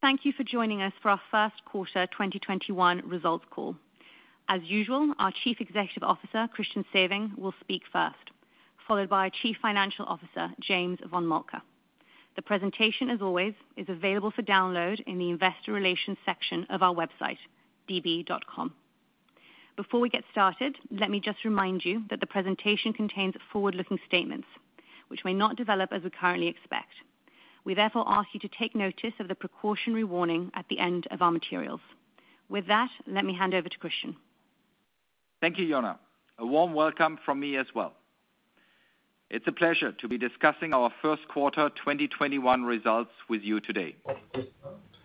Thank you for joining us for our first quarter 2021 results call. As usual, our Chief Executive Officer, Christian Sewing, will speak first, followed by our Chief Financial Officer, James von Moltke. The presentation, as always, is available for download in the investor relations section of our website, db.com. Before we get started, let me just remind you that the presentation contains forward-looking statements which may not develop as we currently expect. We therefore ask you to take notice of the precautionary warning at the end of our materials. With that, let me hand over to Christian. Thank you, Ioana. A warm welcome from me as well. It's a pleasure to be discussing our first quarter 2021 results with you today.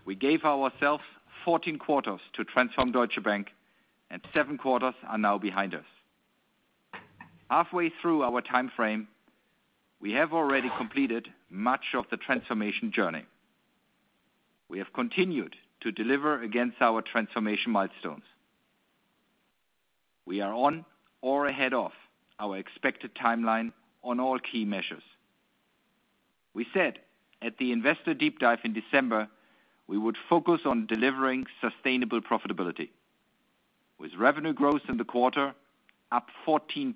We gave ourselves 14 quarters to transform Deutsche Bank, and seven quarters are now behind us. Halfway through our timeframe, we have already completed much of the transformation journey. We have continued to deliver against our transformation milestones. We are on or ahead of our expected timeline on all key measures. We said at the Investor Deep Dive in December, we would focus on delivering sustainable profitability. With revenue growth in the quarter up 14%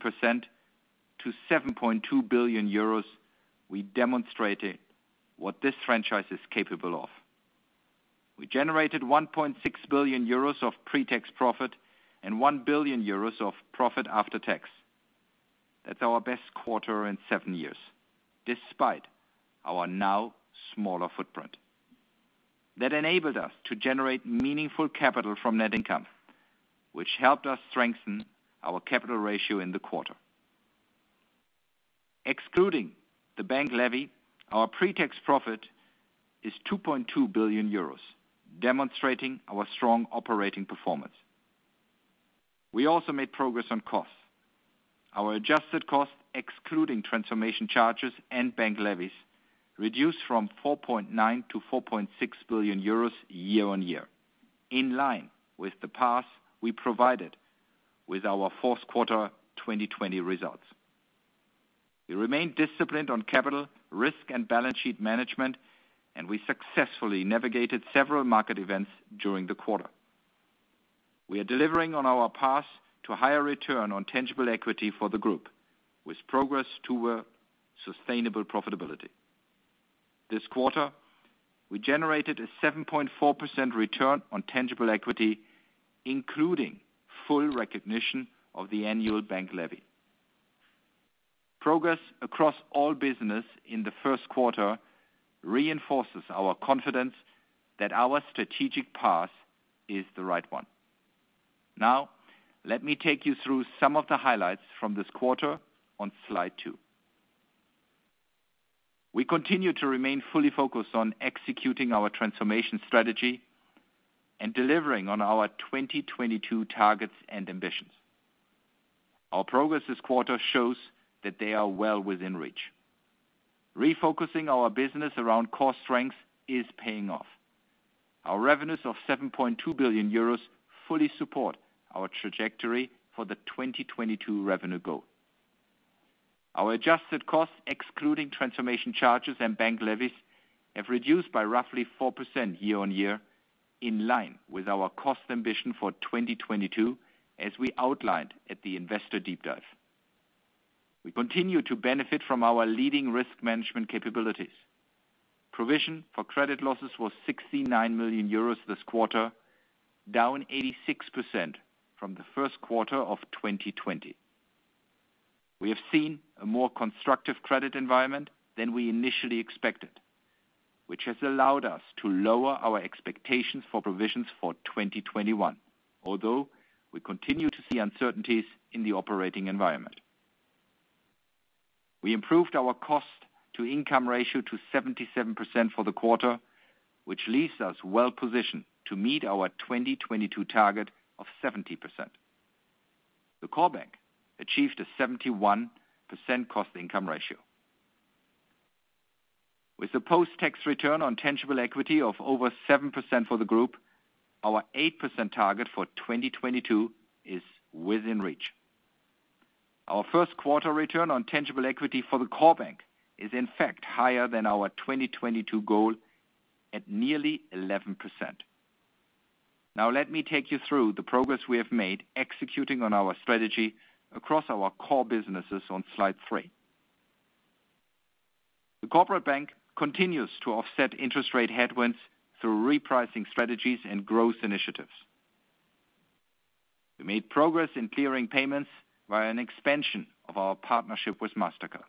to 7.2 billion euros, we demonstrated what this franchise is capable of. We generated 1.6 billion euros of pre-tax profit and 1 billion euros of profit after tax. That's our best quarter in seven years, despite our now smaller footprint. That enabled us to generate meaningful capital from net income, which helped us strengthen our capital ratio in the quarter. Excluding the bank levy, our pre-tax profit is 2.2 billion euros, demonstrating our strong operating performance. We also made progress on costs. Our adjusted costs, excluding transformation charges and bank levies, reduced from 4.9 billion to 4.6 billion euros year-on-year, in line with the path we provided with our fourth quarter 2020 results. We remain disciplined on capital, risk, and balance sheet management. We successfully navigated several market events during the quarter. We are delivering on our path to higher return on tangible equity for the group, with progress toward sustainable profitability. This quarter, we generated a 7.4% return on tangible equity, including full recognition of the annual bank levy. Progress across all business in the first quarter reinforces our confidence that our strategic path is the right one. Now, let me take you through some of the highlights from this quarter on slide two. We continue to remain fully focused on executing our transformation strategy and delivering on our 2022 targets and ambitions. Our progress this quarter shows that they are well within reach. Refocusing our business around core strengths is paying off. Our revenues of 7.2 billion euros fully support our trajectory for the 2022 revenue goal. Our adjusted costs, excluding transformation charges and bank levies, have reduced by roughly 4% year-on-year, in line with our cost ambition for 2022 as we outlined at the Investor Deep Dive. We continue to benefit from our leading risk management capabilities. Provision for credit losses was 69 million euros this quarter, down 86% from the first quarter of 2020. We have seen a more constructive credit environment than we initially expected, which has allowed us to lower our expectations for provisions for 2021, although we continue to see uncertainties in the operating environment. We improved our cost-to-income ratio to 77% for the quarter, which leaves us well-positioned to meet our 2022 target of 70%. The Core Bank achieved a 71% cost-to-income ratio. With the post-tax Return on Tangible Equity of over 7% for the group, our 8% target for 2022 is within reach. Our first quarter Return on Tangible Equity for the Core Bank is in fact higher than our 2022 goal at nearly 11%. Now, let me take you through the progress we have made executing on our strategy across our core businesses on slide three. The Corporate Bank continues to offset interest rate headwinds through repricing strategies and growth initiatives. We made progress in clearing payments via an expansion of our partnership with Mastercard.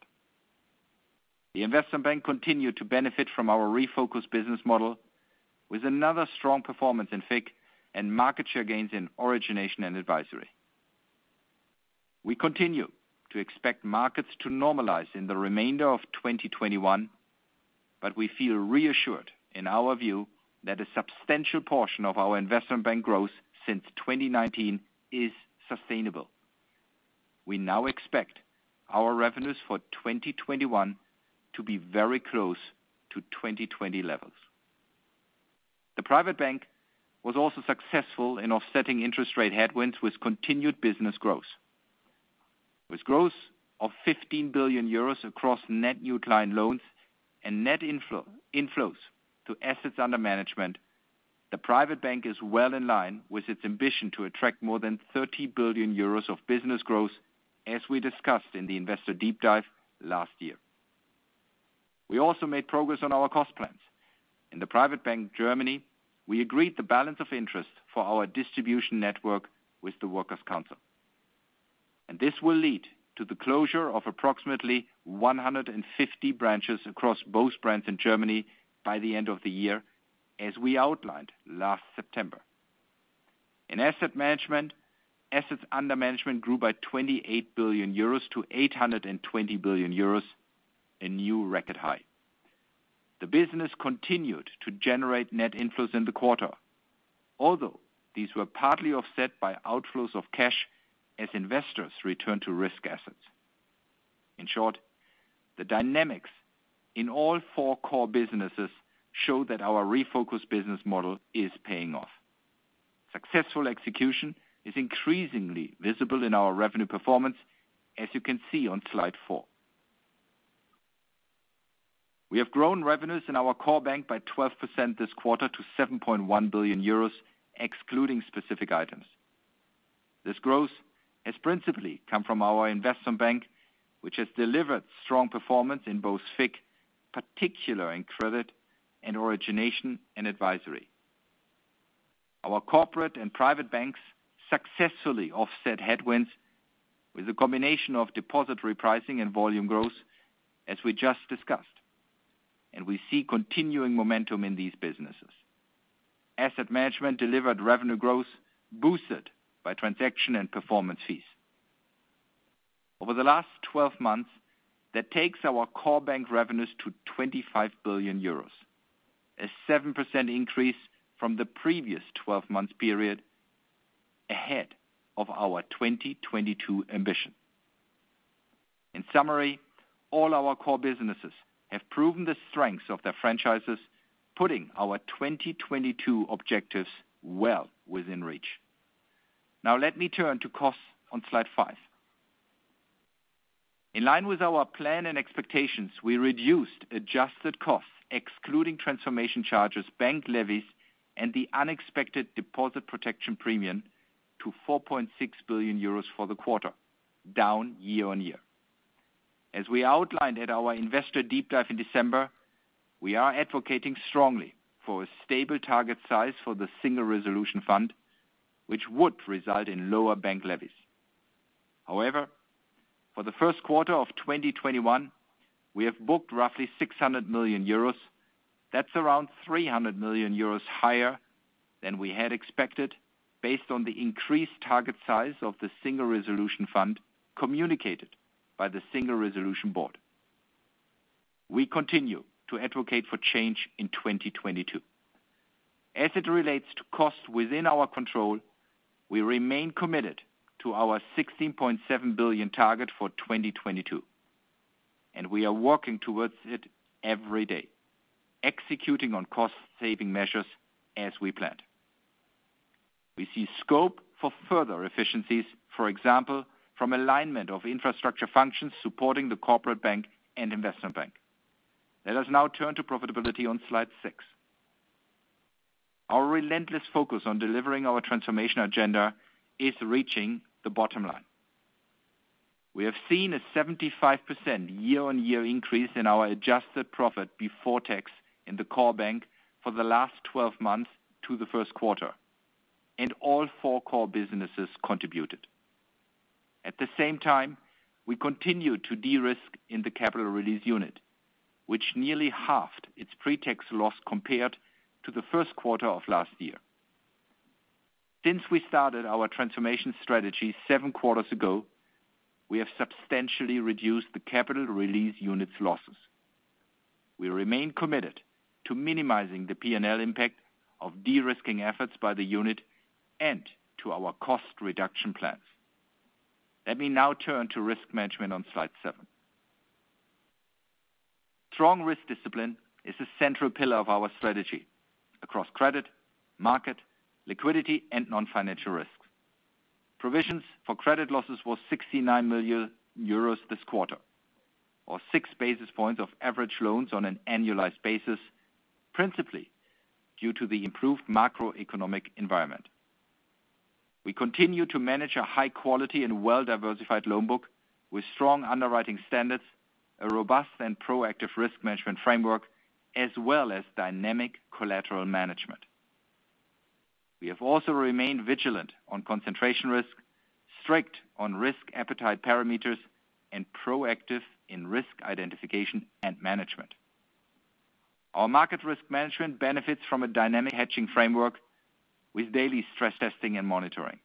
The Investment Bank continued to benefit from our refocused business model with another strong performance in FICC and market share gains in Origination and Advisory. We continue to expect markets to normalize in the remainder of 2021, but we feel reassured in our view that a substantial portion of our Investment Bank growth since 2019 is sustainable. We now expect our revenues for 2021 to be very close to 2020 levels. The Private Bank was also successful in offsetting interest rate headwinds with continued business growth. With growth of 15 billion euros across net new client loans and net inflows to assets under management, the Private Bank is well in line with its ambition to attract more than 30 billion euros of business growth, as we discussed in the Investor Deep Dive last year. We also made progress on our cost plans. In the Private Bank, Germany, we agreed the balance of interest for our distribution network with the Workers' Council. This will lead to the closure of approximately 150 branches across both brands in Germany by the end of the year, as we outlined last September. In Asset Management, assets under management grew by 28 billion euros to 820 billion euros, a new record high. The business continued to generate net inflows in the quarter, although these were partly offset by outflows of cash as investors returned to risk assets. In short, the dynamics in all four core businesses show that our refocused business model is paying off. Successful execution is increasingly visible in our revenue performance, as you can see on slide four. We have grown revenues in our core bank by 12% this quarter to 7.1 billion euros, excluding specific items. This growth has principally come from our Investment Bank, which has delivered strong performance in both FICC, particular in credit and Origination and Advisory. Our Corporate Bank and Private Bank successfully offset headwinds with a combination of deposit repricing and volume growth, as we just discussed. We see continuing momentum in these businesses. Asset Management delivered revenue growth boosted by transaction and performance fees. Over the last 12 months, that takes our core bank revenues to 25 billion euros. A 7% increase from the previous 12 months period ahead of our 2022 ambition. In summary, all our core businesses have proven the strengths of their franchises, putting our 2022 objectives well within reach. Now let me turn to costs on slide five. In line with our plan and expectations, we reduced adjusted costs, excluding transformation charges, bank levies, and the unexpected deposit protection premium to 4.6 billion euros for the quarter, down year-on-year. As we outlined at our Investor Deep Dive in December, we are advocating strongly for a stable target size for the Single Resolution Fund, which would result in lower bank levies. However, for the first quarter of 2021, we have booked roughly 600 million euros. That's around 300 million euros higher than we had expected based on the increased target size of the Single Resolution Fund communicated by the Single Resolution Board. We continue to advocate for change in 2022. As it relates to costs within our control, we remain committed to our 16.7 billion target for 2022, and we are working towards it every day, executing on cost saving measures as we planned. We see scope for further efficiencies, for example, from alignment of infrastructure functions supporting the Corporate Bank and Investment Bank. Let us now turn to profitability on slide six. Our relentless focus on delivering our transformation agenda is reaching the bottom line. We have seen a 75% year-on-year increase in our adjusted profit before tax in the Core Bank for the last 12 months to the first quarter. All four core businesses contributed. At the same time, we continued to de-risk in the Capital Release Unit, which nearly halved its pre-tax loss compared to the first quarter of last year. Since we started our transformation strategy seven quarters ago, we have substantially reduced the Capital Release Unit's losses. We remain committed to minimizing the P&L impact of de-risking efforts by the unit and to our cost reduction plans. Let me now turn to risk management on slide seven. Strong risk discipline is a central pillar of our strategy across credit, market, liquidity, and non-financial risks. Provisions for credit losses was 69 million euros this quarter, or 6 basis points of average loans on an annualized basis, principally due to the improved macroeconomic environment. We continue to manage a high-quality and well-diversified loan book with strong underwriting standards, a robust and proactive risk management framework, as well as dynamic collateral management. We have also remained vigilant on concentration risk, strict on risk appetite parameters, and proactive in risk identification and management. Our market risk management benefits from a dynamic hedging framework with daily stress testing and monitoring.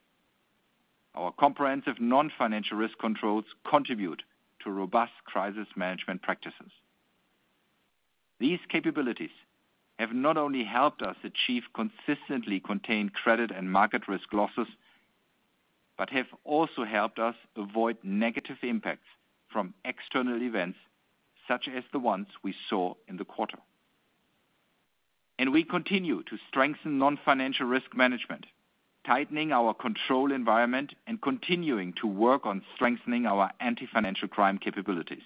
Our comprehensive non-financial risk controls contribute to robust crisis management practices. These capabilities have not only helped us achieve consistently contained credit and market risk losses but have also helped us avoid negative impacts from external events such as the ones we saw in the quarter. We continue to strengthen non-financial risk management, tightening our control environment and continuing to work on strengthening our anti-financial crime capabilities.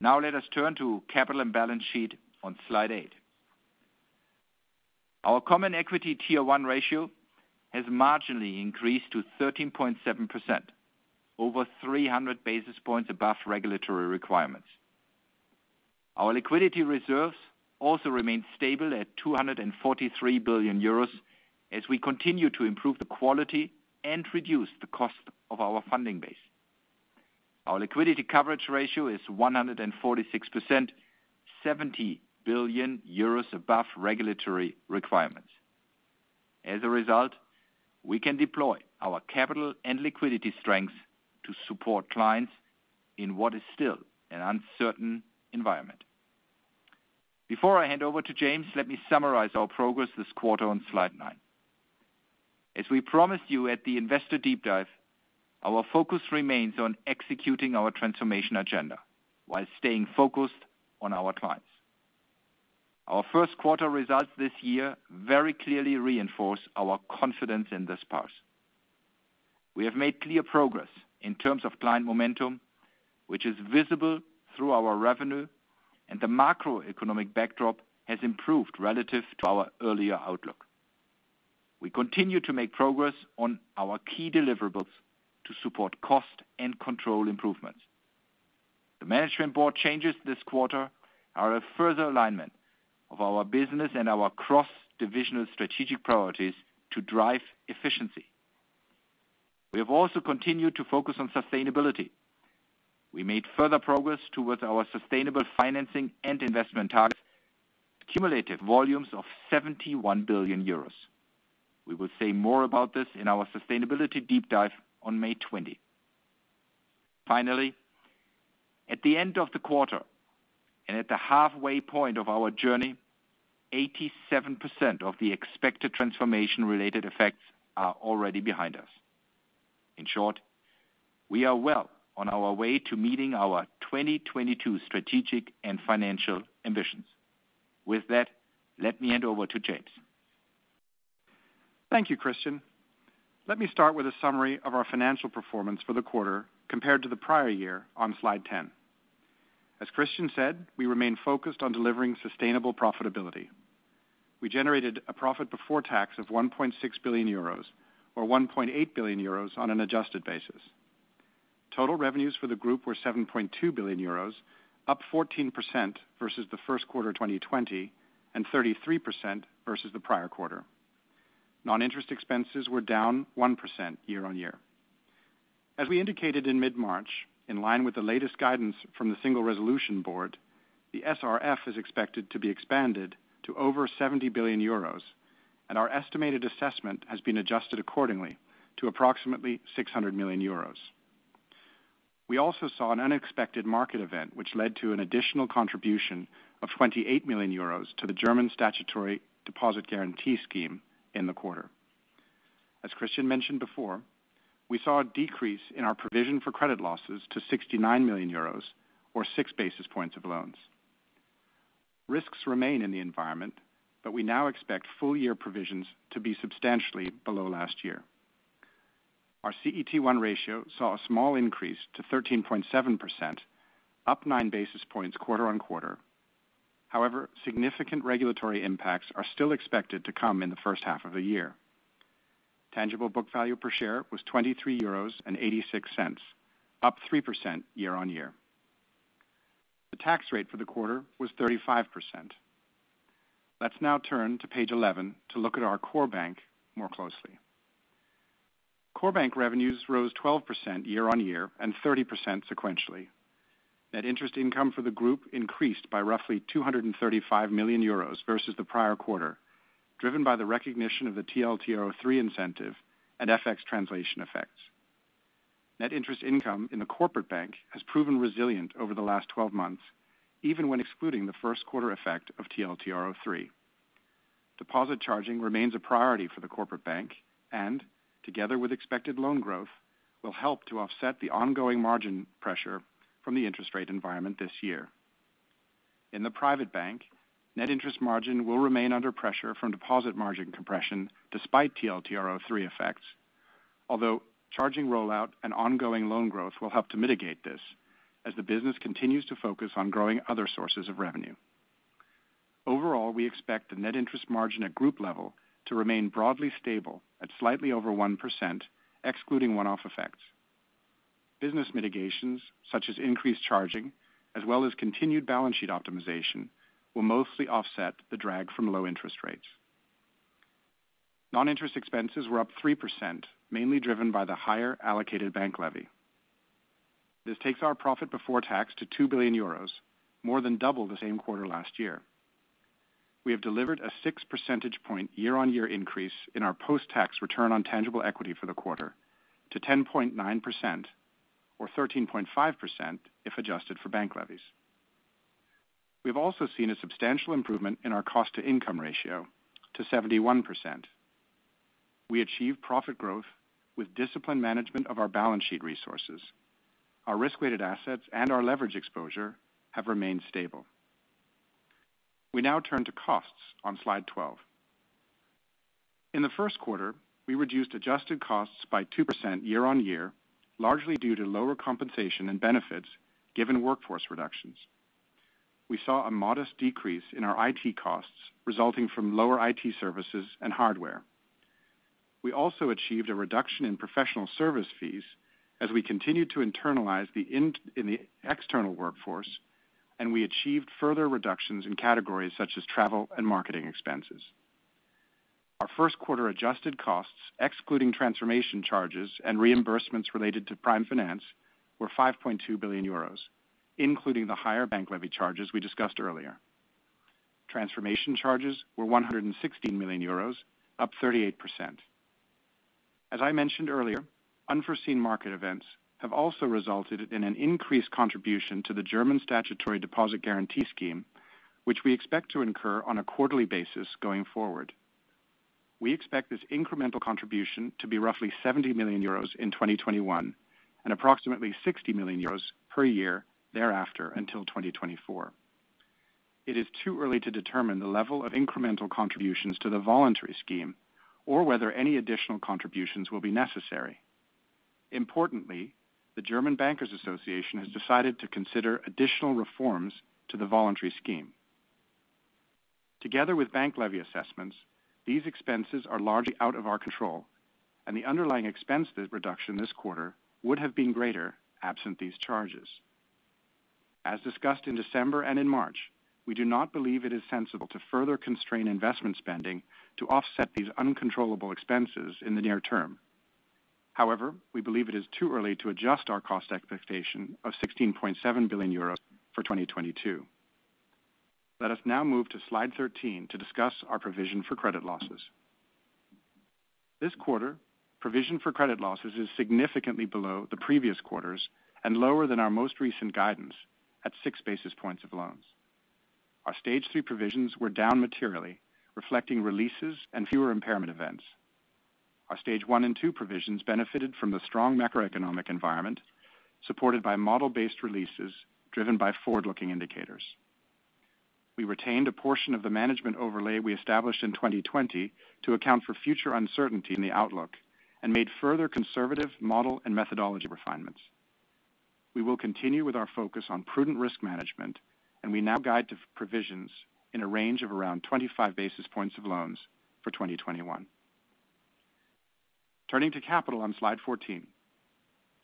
Now let us turn to capital and balance sheet on slide eight. Our common equity Tier 1 ratio has marginally increased to 13.7%, over 300 basis points above regulatory requirements. Our liquidity reserves also remain stable at 243 billion euros as we continue to improve the quality and reduce the cost of our funding base. Our liquidity coverage ratio is 146%, 70 billion euros above regulatory requirements. As a result, we can deploy our capital and liquidity strengths to support clients in what is still an uncertain environment. Before I hand over to James, let me summarize our progress this quarter on slide nine. As we promised you at the Investor Deep Dive, our focus remains on executing our transformation agenda while staying focused on our clients. Our first quarter results this year very clearly reinforce our confidence in this path. We have made clear progress in terms of client momentum, which is visible through our revenue, and the macroeconomic backdrop has improved relative to our earlier outlook. We continue to make progress on our key deliverables to support cost and control improvements. The management board changes this quarter are a further alignment of our business and our cross-divisional strategic priorities to drive efficiency. We have also continued to focus on sustainability. We made further progress towards our sustainable financing and investment targets with cumulative volumes of 71 billion euros. We will say more about this in our Sustainability Deep Dive on May 20. Finally, at the end of the quarter, and at the halfway point of our journey, 87% of the expected transformation-related effects are already behind us. In short, we are well on our way to meeting our 2022 strategic and financial ambitions. With that, let me hand over to James. Thank you, Christian. Let me start with a summary of our financial performance for the quarter compared to the prior year on slide 10. As Christian said, we remain focused on delivering sustainable profitability. We generated a profit before tax of 1.6 billion euros, or 1.8 billion euros on an adjusted basis. Total revenues for the group were 7.2 billion euros, up 14% versus the first quarter 2020, and 33% versus the prior quarter. Non-interest expenses were down 1% year on year. As we indicated in mid-March, in line with the latest guidance from the Single Resolution Board, the SRF is expected to be expanded to over 70 billion euros, and our estimated assessment has been adjusted accordingly to approximately 600 million euros. We also saw an unexpected market event, which led to an additional contribution of 28 million euros to the German Statutory Deposit Guarantee Scheme in the quarter. As Christian mentioned before, we saw a decrease in our provision for credit losses to 69 million euros or 6 basis points of loans. Risks remain in the environment, but we now expect full-year provisions to be substantially below last year. Our CET1 ratio saw a small increase to 13.7%, up 9 basis points quarter-on-quarter. However, significant regulatory impacts are still expected to come in the first half of the year. Tangible book value per share was 23.86 euros, up 3% year-on-year. The tax rate for the quarter was 35%. Let's now turn to page 11 to look at our core bank more closely. Core bank revenues rose 12% year-on-year and 30% sequentially. Net interest income for the group increased by roughly 235 million euros versus the prior quarter, driven by the recognition of the TLTRO III incentive and FX translation effects. Net interest income in the Corporate Bank has proven resilient over the last 12 months, even when excluding the first quarter effect of TLTRO III. Deposit charging remains a priority for the Corporate Bank and, together with expected loan growth, will help to offset the ongoing margin pressure from the interest rate environment this year. In the Private Bank, net interest margin will remain under pressure from deposit margin compression despite TLTRO III effects. Charging rollout and ongoing loan growth will help to mitigate this as the business continues to focus on growing other sources of revenue. We expect the net interest margin at group level to remain broadly stable at slightly over 1%, excluding one-off effects. Business mitigations, such as increased charging as well as continued balance sheet optimization, will mostly offset the drag from low interest rates. Non-interest expenses were up 3%, mainly driven by the higher allocated bank levy. This takes our profit before tax to 2 billion euros, more than double the same quarter last year. We have delivered a six percentage point year-on-year increase in our post-tax return on tangible equity for the quarter to 10.9%, or 13.5% if adjusted for bank levies. We have also seen a substantial improvement in our cost-to-income ratio to 71%. We achieved profit growth with disciplined management of our balance sheet resources. Our risk-weighted assets and our leverage exposure have remained stable. We now turn to costs on slide 12. In the first quarter, we reduced adjusted costs by 2% year-on-year, largely due to lower compensation and benefits, given workforce reductions. We saw a modest decrease in our IT costs resulting from lower IT services and hardware. We also achieved a reduction in professional service fees as we continued to internalize in the external workforce, and we achieved further reductions in categories such as travel and marketing expenses. Our first quarter adjusted costs, excluding transformation charges and reimbursements related to Prime Finance, were 5.2 billion euros, including the higher bank levy charges we discussed earlier. Transformation charges were 116 million euros, up 38%. As I mentioned earlier, unforeseen market events have also resulted in an increased contribution to the German Statutory Deposit Guarantee Scheme, which we expect to incur on a quarterly basis going forward. We expect this incremental contribution to be roughly EUR 70 million in 2021 and approximately EUR 60 million per year thereafter until 2024. It is too early to determine the level of incremental contributions to the voluntary scheme or whether any additional contributions will be necessary. Importantly, the Association of German Banks has decided to consider additional reforms to the voluntary scheme. Together with bank levy assessments, these expenses are largely out of our control, and the underlying expense reduction this quarter would have been greater absent these charges. As discussed in December and in March, we do not believe it is sensible to further constrain investment spending to offset these uncontrollable expenses in the near term. However, we believe it is too early to adjust our cost expectation of 16.7 billion euros for 2022. Let us now move to slide 13 to discuss our provision for credit losses. This quarter, provision for credit losses is significantly below the previous quarters and lower than our most recent guidance at 6 basis points of loans. Our stage 3 provisions were down materially, reflecting releases and fewer impairment events. Our stage 1 and 2 provisions benefited from the strong macroeconomic environment, supported by model-based releases driven by forward-looking indicators. We retained a portion of the management overlay we established in 2020 to account for future uncertainty in the outlook and made further conservative model and methodology refinements. We will continue with our focus on prudent risk management, and we now guide to provisions in a range of around 25 basis points of loans for 2021. Turning to capital on slide 14.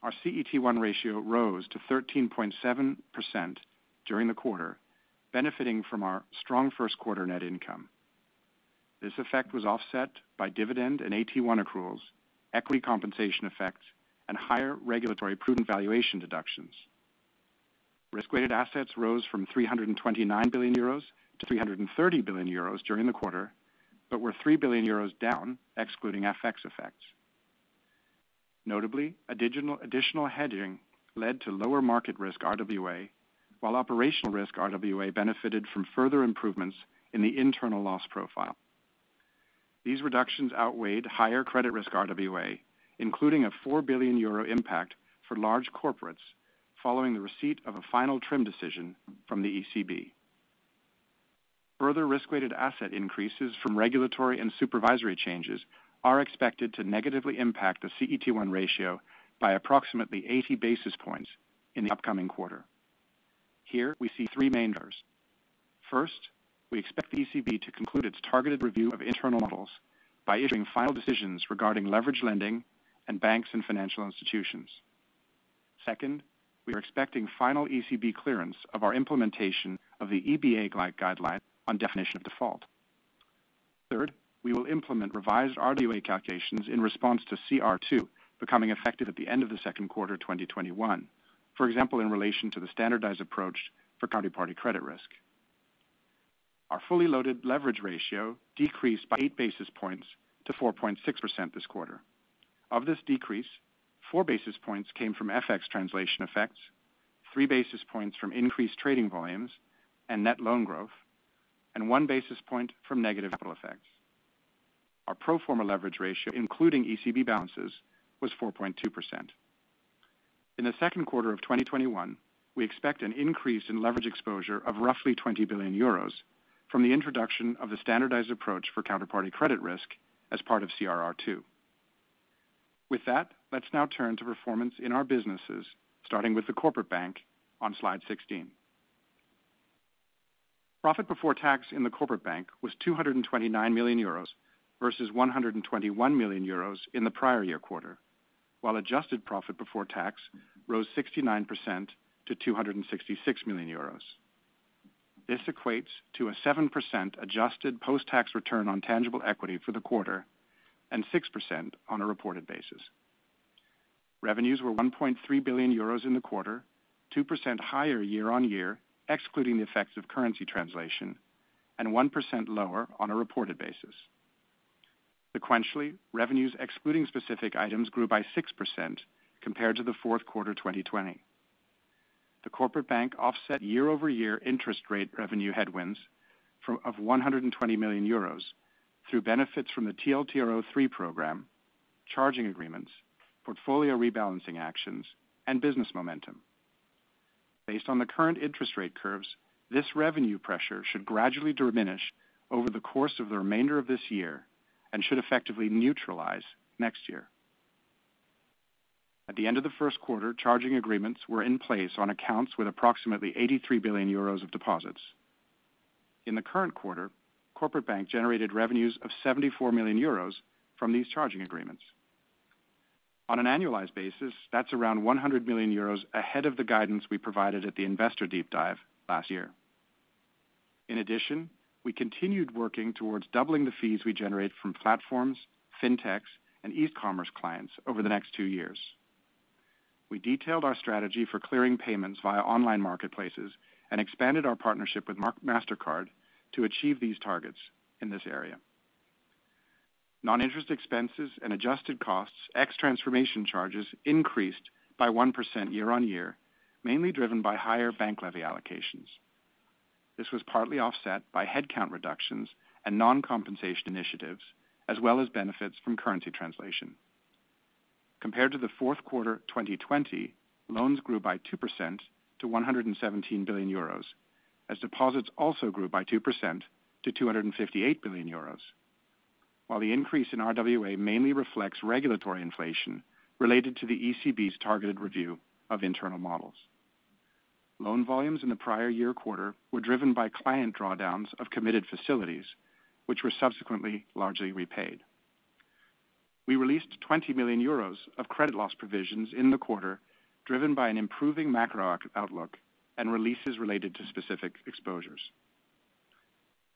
Our CET1 ratio rose to 13.7% during the quarter, benefiting from our strong first quarter net income. This effect was offset by dividend and AT1 accruals, equity compensation effects, and higher regulatory prudent valuation deductions. Risk-weighted assets rose from 329 billion euros to 330 billion euros during the quarter, but were 3 billion euros down excluding FX effects. Notably, additional hedging led to lower market risk RWA, while operational risk RWA benefited from further improvements in the internal loss profile. These reductions outweighed higher credit risk RWA, including a 4 billion euro impact for large corporates following the receipt of a final TRIM decision from the ECB. Further risk-weighted asset increases from regulatory and supervisory changes are expected to negatively impact the CET1 ratio by approximately 80 basis points in the upcoming quarter. Here we see three main drivers. First, we expect the ECB to conclude its targeted review of internal models by issuing final decisions regarding leveraged lending and banks and financial institutions. Second, we are expecting final ECB clearance of our implementation of the EBA guideline on definition of default. Third, we will implement revised RWA calculations in response to CRR2 becoming effective at the end of the second quarter 2021. For example, in relation to the standardized approach for counterparty credit risk. Our fully loaded leverage ratio decreased by 8 basis points to 4.6% this quarter. Of this decrease, 4 basis points came from FX translation effects, 3 basis points from increased trading volumes and net loan growth, and 1 basis point from negative capital effects. Our pro forma leverage ratio, including ECB balances, was 4.2%. In the second quarter of 2021, we expect an increase in leverage exposure of roughly 20 billion euros from the introduction of the standardized approach for counterparty credit risk as part of CRR2. With that, let's now turn to performance in our businesses, starting with the Corporate Bank on slide 16. Profit before tax in the Corporate Bank was 229 million euros versus 121 million euros in the prior year quarter. While adjusted profit before tax rose 69% to 266 million euros. This equates to a 7% adjusted post-tax return on tangible equity for the quarter and 6% on a reported basis. Revenues were 1.3 billion euros in the quarter, 2% higher year-on-year, excluding the effects of currency translation, and 1% lower on a reported basis. Sequentially, revenues excluding specific items grew by 6% compared to the fourth quarter 2020. The Corporate Bank offset year-over-year interest rate revenue headwinds of 120 million euros through benefits from the TLTRO III program, charging agreements, portfolio rebalancing actions, and business momentum. Based on the current interest rate curves, this revenue pressure should gradually diminish over the course of the remainder of this year and should effectively neutralize next year. At the end of the first quarter, charging agreements were in place on accounts with approximately 83 billion euros of deposits. In the current quarter, Corporate Bank generated revenues of 74 million euros from these charging agreements. On an annualized basis, that's around 100 million euros ahead of the guidance we provided at the Investor Deep Dive last year. We continued working towards doubling the fees we generate from platforms, fintechs, and e-commerce clients over the next two years. We detailed our strategy for clearing payments via online marketplaces and expanded our partnership with Mastercard to achieve these targets in this area. Non-interest expenses and adjusted costs, ex transformation charges, increased by 1% year-over-year, mainly driven by higher bank levy allocations. This was partly offset by headcount reductions and non-compensation initiatives, as well as benefits from currency translation. Compared to the fourth quarter 2020, loans grew by 2% to 117 billion euros, as deposits also grew by 2% to 258 billion euros. The increase in RWA mainly reflects regulatory inflation related to the ECB's targeted review of internal models. Loan volumes in the prior year quarter were driven by client drawdowns of committed facilities, which were subsequently largely repaid. We released 20 million euros of credit loss provisions in the quarter, driven by an improving macroeconomic outlook and releases related to specific exposures.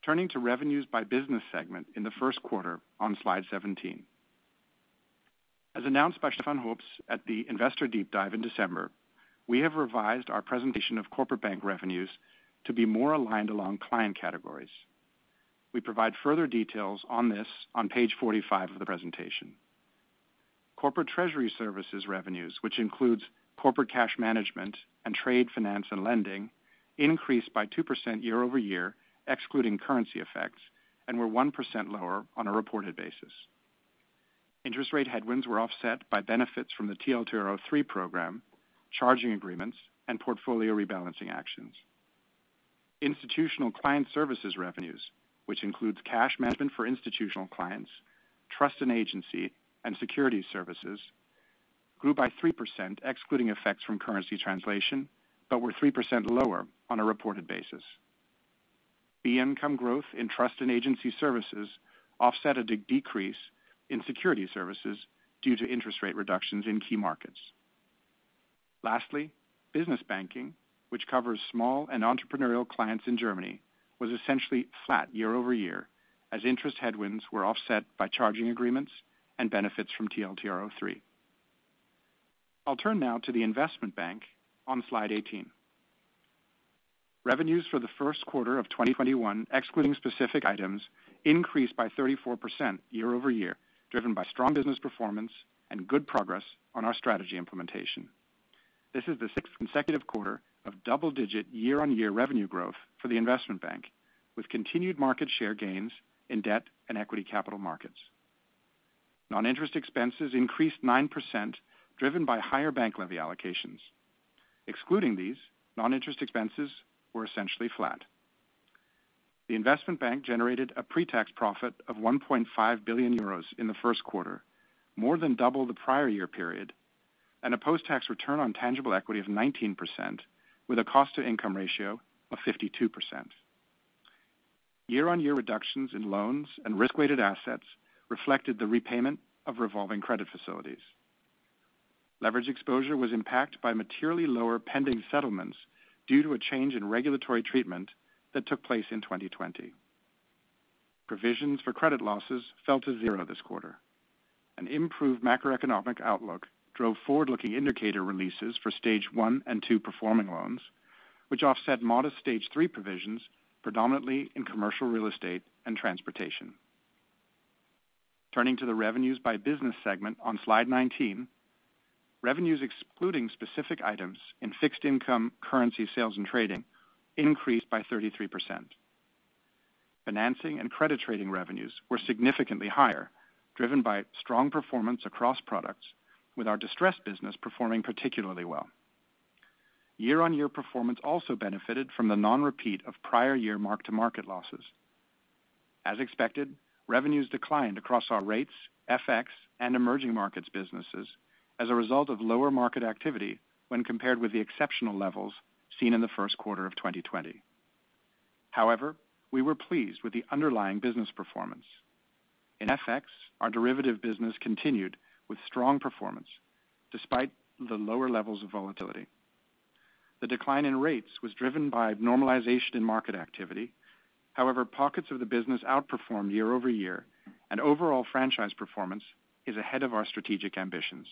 Turning to revenues by business segment in the first quarter on slide 17. As announced by Stefan Hoops at the Investor Deep Dive in December, we have revised our presentation of Corporate Bank revenues to be more aligned along client categories. We provide further details on this on page 45 of the presentation. Corporate Treasury Services revenues, which includes corporate cash management and trade finance and lending, increased by 2% year-over-year, excluding currency effects, and were 1% lower on a reported basis. Interest rate headwinds were offset by benefits from the TLTRO III program, charging agreements, and portfolio rebalancing actions. Institutional client services revenues, which includes cash management for institutional clients, trust and agency, and securities services, grew by 3%, excluding effects from currency translation, but were 3% lower on a reported basis. Fee income growth in trust and agency services offset a decrease in security services due to interest rate reductions in key markets. Lastly, business banking, which covers small and entrepreneurial clients in Germany, was essentially flat year-over-year, as interest headwinds were offset by charging agreements and benefits from TLTRO III. I'll turn now to the investment bank on slide 18. Revenues for the first quarter of 2021, excluding specific items, increased by 34% year-over-year, driven by strong business performance and good progress on our strategy implementation. This is the sixth consecutive quarter of double-digit year-on-year revenue growth for the investment bank, with continued market share gains in debt and equity capital markets. Non-interest expenses increased 9%, driven by higher bank levy allocations. Excluding these, non-interest expenses were essentially flat. The Investment Bank generated a pre-tax profit of 1.5 billion euros in the first quarter, more than double the prior year period, and a post-tax return on tangible equity of 19%, with a cost-to-income ratio of 52%. Year-on-year reductions in loans and risk-weighted assets reflected the repayment of revolving credit facilities. Leverage exposure was impacted by materially lower pending settlements due to a change in regulatory treatment that took place in 2020. Provisions for credit losses fell to zero this quarter. An improved macroeconomic outlook drove forward-looking indicator releases for stage 1 and 2 performing loans, which offset modest stage 3 provisions, predominantly in commercial real estate and transportation. Turning to the revenues by business segment on slide 19. Revenues excluding specific items in Fixed Income Currency Sales and Trading increased by 33%. Financing and credit trading revenues were significantly higher, driven by strong performance across products, with our distressed business performing particularly well. Year-on-year performance also benefited from the non-repeat of prior year mark-to-market losses. As expected, revenues declined across our rates, FX, and emerging markets businesses as a result of lower market activity when compared with the exceptional levels seen in the first quarter of 2020. However, we were pleased with the underlying business performance. In FX, our derivative business continued with strong performance despite the lower levels of volatility. The decline in rates was driven by normalization in market activity. However, pockets of the business outperformed year-over-year, and overall franchise performance is ahead of our strategic ambitions.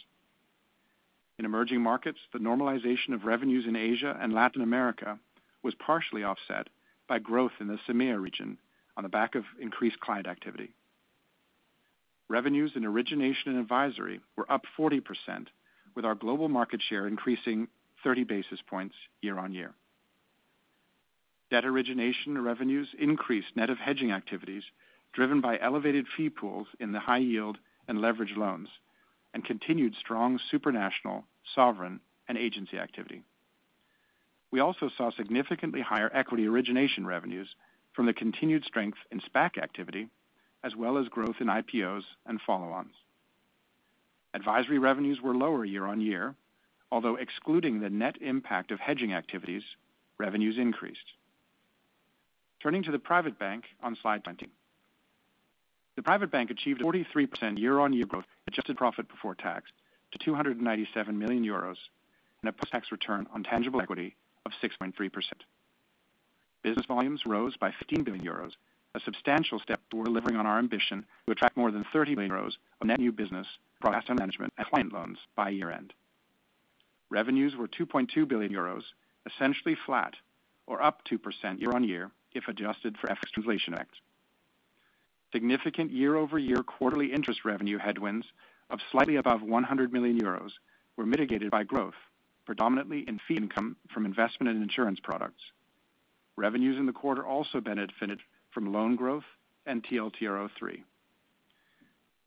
In emerging markets, the normalization of revenues in Asia and Latin America was partially offset by growth in the EMEA region on the back of increased client activity. Revenues in Origination and Advisory were up 40%, with our global market share increasing 30 basis points year-on-year. Debt origination revenues increased net of hedging activities, driven by elevated fee pools in the high yield and leveraged loans, and continued strong supranational, sovereign, and agency activity. We also saw significantly higher equity origination revenues from the continued strength in SPAC activity, as well as growth in IPOs and follow-ons. Advisory revenues were lower year-on-year, although excluding the net impact of hedging activities, revenues increased. Turning to the Private Bank on slide 20. The Private Bank achieved 43% year-on-year growth, adjusted profit before tax to 297 million euros, and a post-tax return on tangible equity of 6.3%. Business volumes rose by 15 billion euros, a substantial step toward delivering on our ambition to attract more than 30 billion euros of net new business across Asset Management and client loans by year-end. Revenues were 2.2 billion euros, essentially flat or up 2% year-on-year, if adjusted for FX translation effect. Significant year-over-year quarterly interest revenue headwinds of slightly above 100 million euros were mitigated by growth, predominantly in fee income from investment and insurance products. Revenues in the quarter also benefited from loan growth and TLTRO III.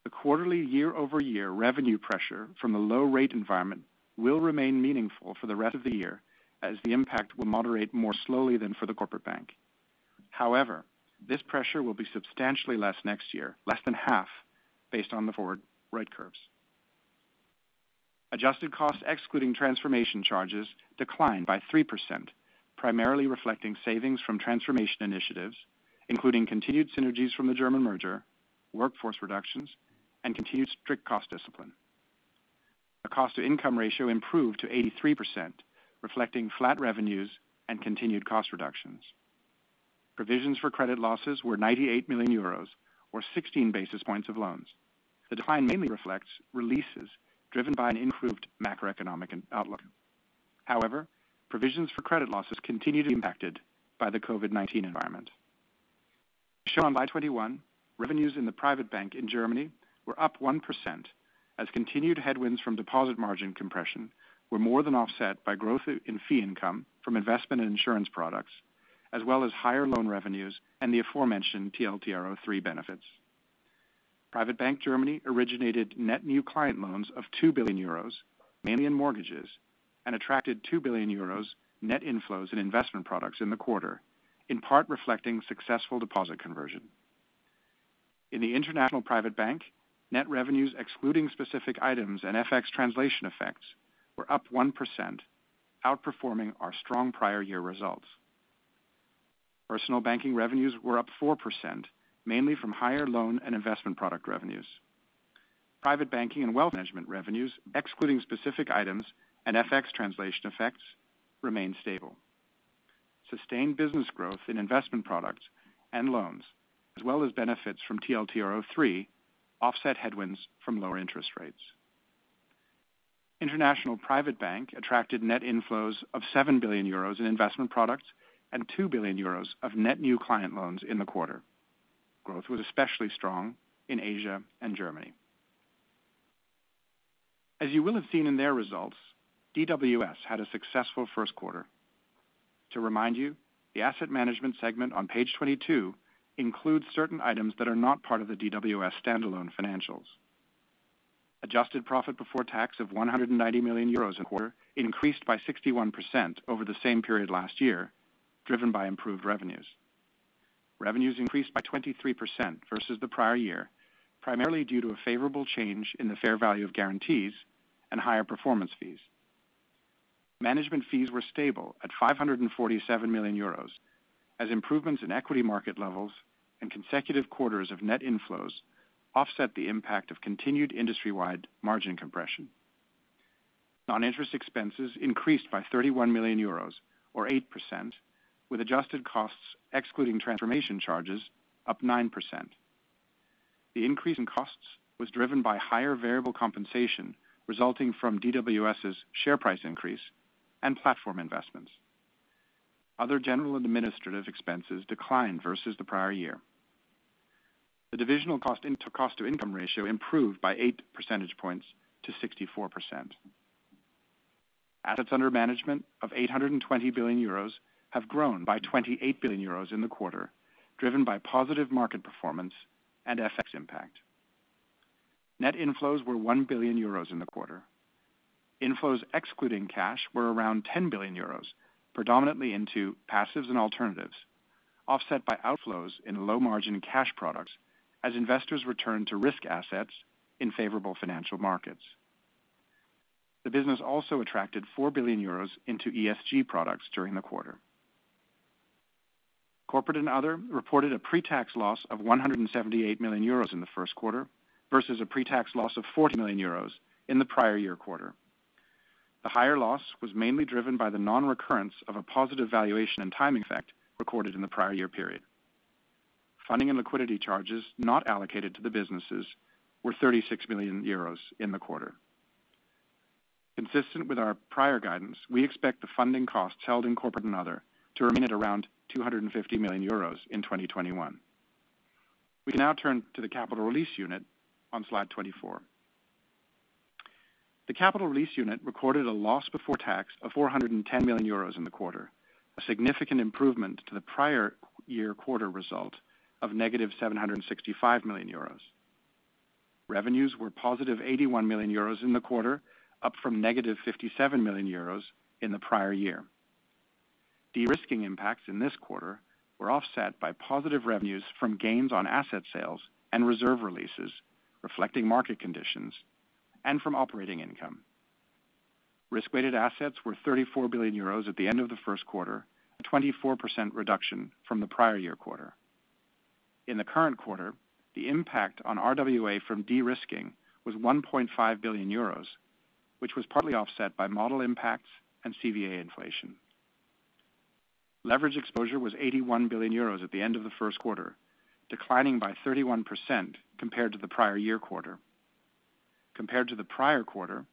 The quarterly year-over-year revenue pressure from the low rate environment will remain meaningful for the rest of the year, as the impact will moderate more slowly than for the corporate bank. However, this pressure will be substantially less next year, less than half based on the forward rate curves. Adjusted costs excluding transformation charges declined by 3%, primarily reflecting savings from transformation initiatives, including continued synergies from the German merger, workforce reductions, and continued strict cost discipline. The cost-to-income ratio improved to 83%, reflecting flat revenues and continued cost reductions. Provisions for credit losses were 98 million euros, or 16 basis points of loans. The decline mainly reflects releases driven by an improved macroeconomic outlook. However, provisions for credit losses continue to be impacted by the COVID-19 environment. Shown on slide 21, revenues in the Private Bank in Germany were up 1% as continued headwinds from deposit margin compression were more than offset by growth in fee income from investment and insurance products, as well as higher loan revenues and the aforementioned TLTRO III benefits. Private Bank Germany originated net new client loans of 2 billion euros, mainly in mortgages, and attracted 2 billion euros net inflows in investment products in the quarter, in part reflecting successful deposit conversion. In the International Private Bank, net revenues excluding specific items and FX translation effects were up 1%, outperforming our strong prior year results. Personal banking revenues were up 4%, mainly from higher loan and investment product revenues. Private Banking and wealth management revenues, excluding specific items and FX translation effects, remained stable. Sustained business growth in investment products and loans, as well as benefits from TLTRO III offset headwinds from lower interest rates. International Private Bank attracted net inflows of 7 billion euros in investment products and 2 billion euros of net new client loans in the quarter. Growth was especially strong in Asia and Germany. As you will have seen in their results, DWS had a successful first quarter. To remind you, the Asset Management segment on page 22 includes certain items that are not part of the DWS standalone financials. Adjusted profit before tax of 190 million euros in the quarter increased by 61% over the same period last year, driven by improved revenues. Revenues increased by 23% versus the prior year, primarily due to a favorable change in the fair value of guarantees and higher performance fees. Management fees were stable at 547 million euros, as improvements in equity market levels and consecutive quarters of net inflows offset the impact of continued industry-wide margin compression. Non-interest expenses increased by 31 million euros, or 8%, with adjusted costs excluding transformation charges up 9%. The increase in costs was driven by higher variable compensation resulting from DWS' share price increase and platform investments. Other general administrative expenses declined versus the prior year. The divisional cost-to-income ratio improved by 8 percentage points to 64%. Assets under management of 820 billion euros have grown by 28 billion euros in the quarter, driven by positive market performance and FX impact. Net inflows were 1 billion euros in the quarter. Inflows excluding cash were around 10 billion euros, predominantly into passives and alternatives, offset by outflows in low-margin cash products as investors returned to risk assets in favorable financial markets. The business also attracted 4 billion euros into ESG products during the quarter. Corporate and Other reported a pre-tax loss of 178 million euros in the first quarter versus a pre-tax loss of 40 million euros in the prior year quarter. The higher loss was mainly driven by the non-recurrence of a positive valuation and timing effect recorded in the prior year period. Funding and liquidity charges not allocated to the businesses were 36 million euros in the quarter. Consistent with our prior guidance, we expect the funding costs held in corporate and other to remain at around 250 million euros in 2021. We can now turn to the Capital Release Unit on slide 24. The Capital Release Unit recorded a loss before tax of 410 million euros in the quarter, a significant improvement to the prior year quarter result of negative 765 million euros. Revenues were positive 81 million euros in the quarter, up from negative 57 million euros in the prior year. De-risking impacts in this quarter were offset by positive revenues from gains on asset sales and reserve releases, reflecting market conditions and from operating income. Risk-weighted assets were 34 billion euros at the end of the first quarter, a 24% reduction from the prior year quarter. In the current quarter, the impact on RWA from de-risking was 1.5 billion euros, which was partly offset by model impacts and CVA inflation. Leverage exposure was 81 billion euros at the end of the first quarter, declining by 31% compared to the prior year quarter. Compared to the prior quarter,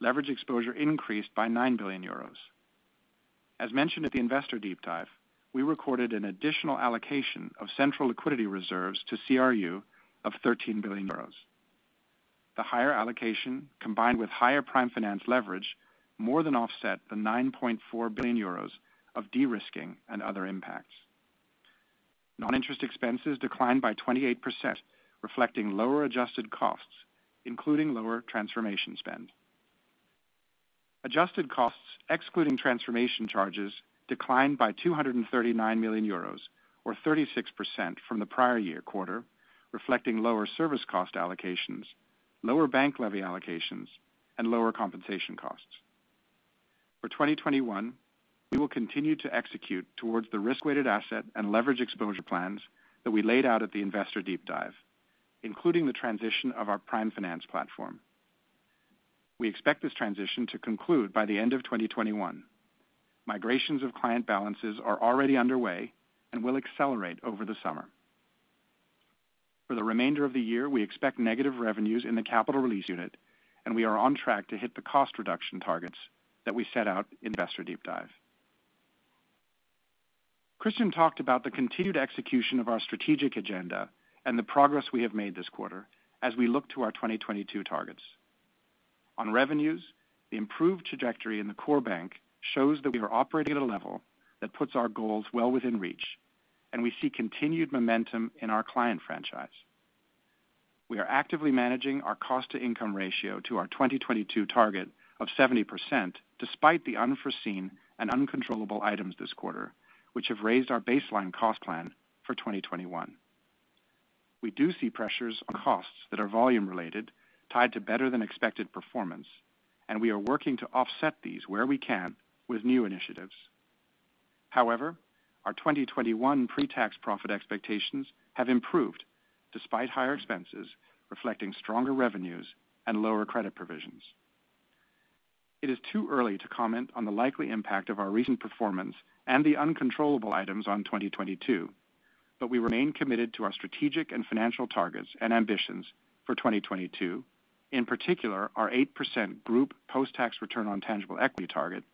leverage exposure increased by 9 billion euros. As mentioned at the Investor Deep Dive, we recorded an additional allocation of central liquidity reserves to CRU of 13 billion euros. The higher allocation, combined with higher Prime Finance leverage, more than offset the 9.4 billion euros of de-risking and other impacts. Non-interest expenses declined by 28%, reflecting lower adjusted costs, including lower transformation spend. Adjusted costs, excluding transformation charges, declined by 239 million euros, or 36% from the prior year quarter, reflecting lower service cost allocations, lower bank levy allocations, and lower compensation costs. For 2021, we will continue to execute towards the risk-weighted asset and leverage exposure plans that we laid out at the Investor Deep Dive, including the transition of our Prime Finance platform. We expect this transition to conclude by the end of 2021. Migrations of client balances are already underway and will accelerate over the summer. For the remainder of the year, we expect negative revenues in the Capital Release Unit, and we are on track to hit the cost reduction targets that we set out in the Investor Deep Dive. Christian talked about the continued execution of our strategic agenda and the progress we have made this quarter as we look to our 2022 targets. On revenues, the improved trajectory in the Core Bank shows that we are operating at a level that puts our goals well within reach, and we see continued momentum in our client franchise. We are actively managing our cost-to-income ratio to our 2022 target of 70%, despite the unforeseen and uncontrollable items this quarter, which have raised our baseline cost plan for 2021. We do see pressures on costs that are volume related, tied to better than expected performance, and we are working to offset these where we can with new initiatives. However, our 2021 pre-tax profit expectations have improved despite higher expenses, reflecting stronger revenues and lower credit provisions. It is too early to comment on the likely impact of our recent performance and the uncontrollable items on 2022, but we remain committed to our strategic and financial targets and ambitions for 2022. In particular, our 8% group post-tax Return on Tangible Equity target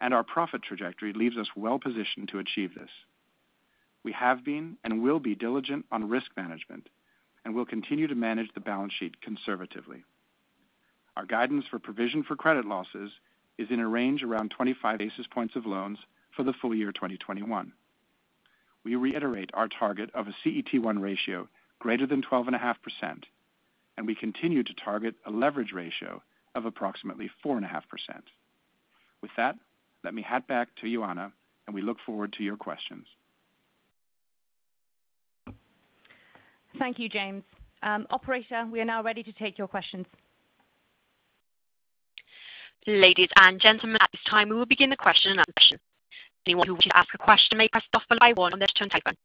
and our profit trajectory leaves us well positioned to achieve this. We have been and will be diligent on risk management and will continue to manage the balance sheet conservatively. Our guidance for provision for credit losses is in a range around 25 basis points of loans for the full year 2021. We reiterate our target of a CET1 ratio greater than 12.5%, and we continue to target a leverage ratio of approximately 4.5%. With that, let me hand back to Ioana, and we look forward to your questions. Thank you, James. Operator, we are now ready to take your questions. Ladies and gentlemen, at this time we will begin the question-and-answer session. Anyone who wishes to ask a question may press star followed by one on their touch-tone phone.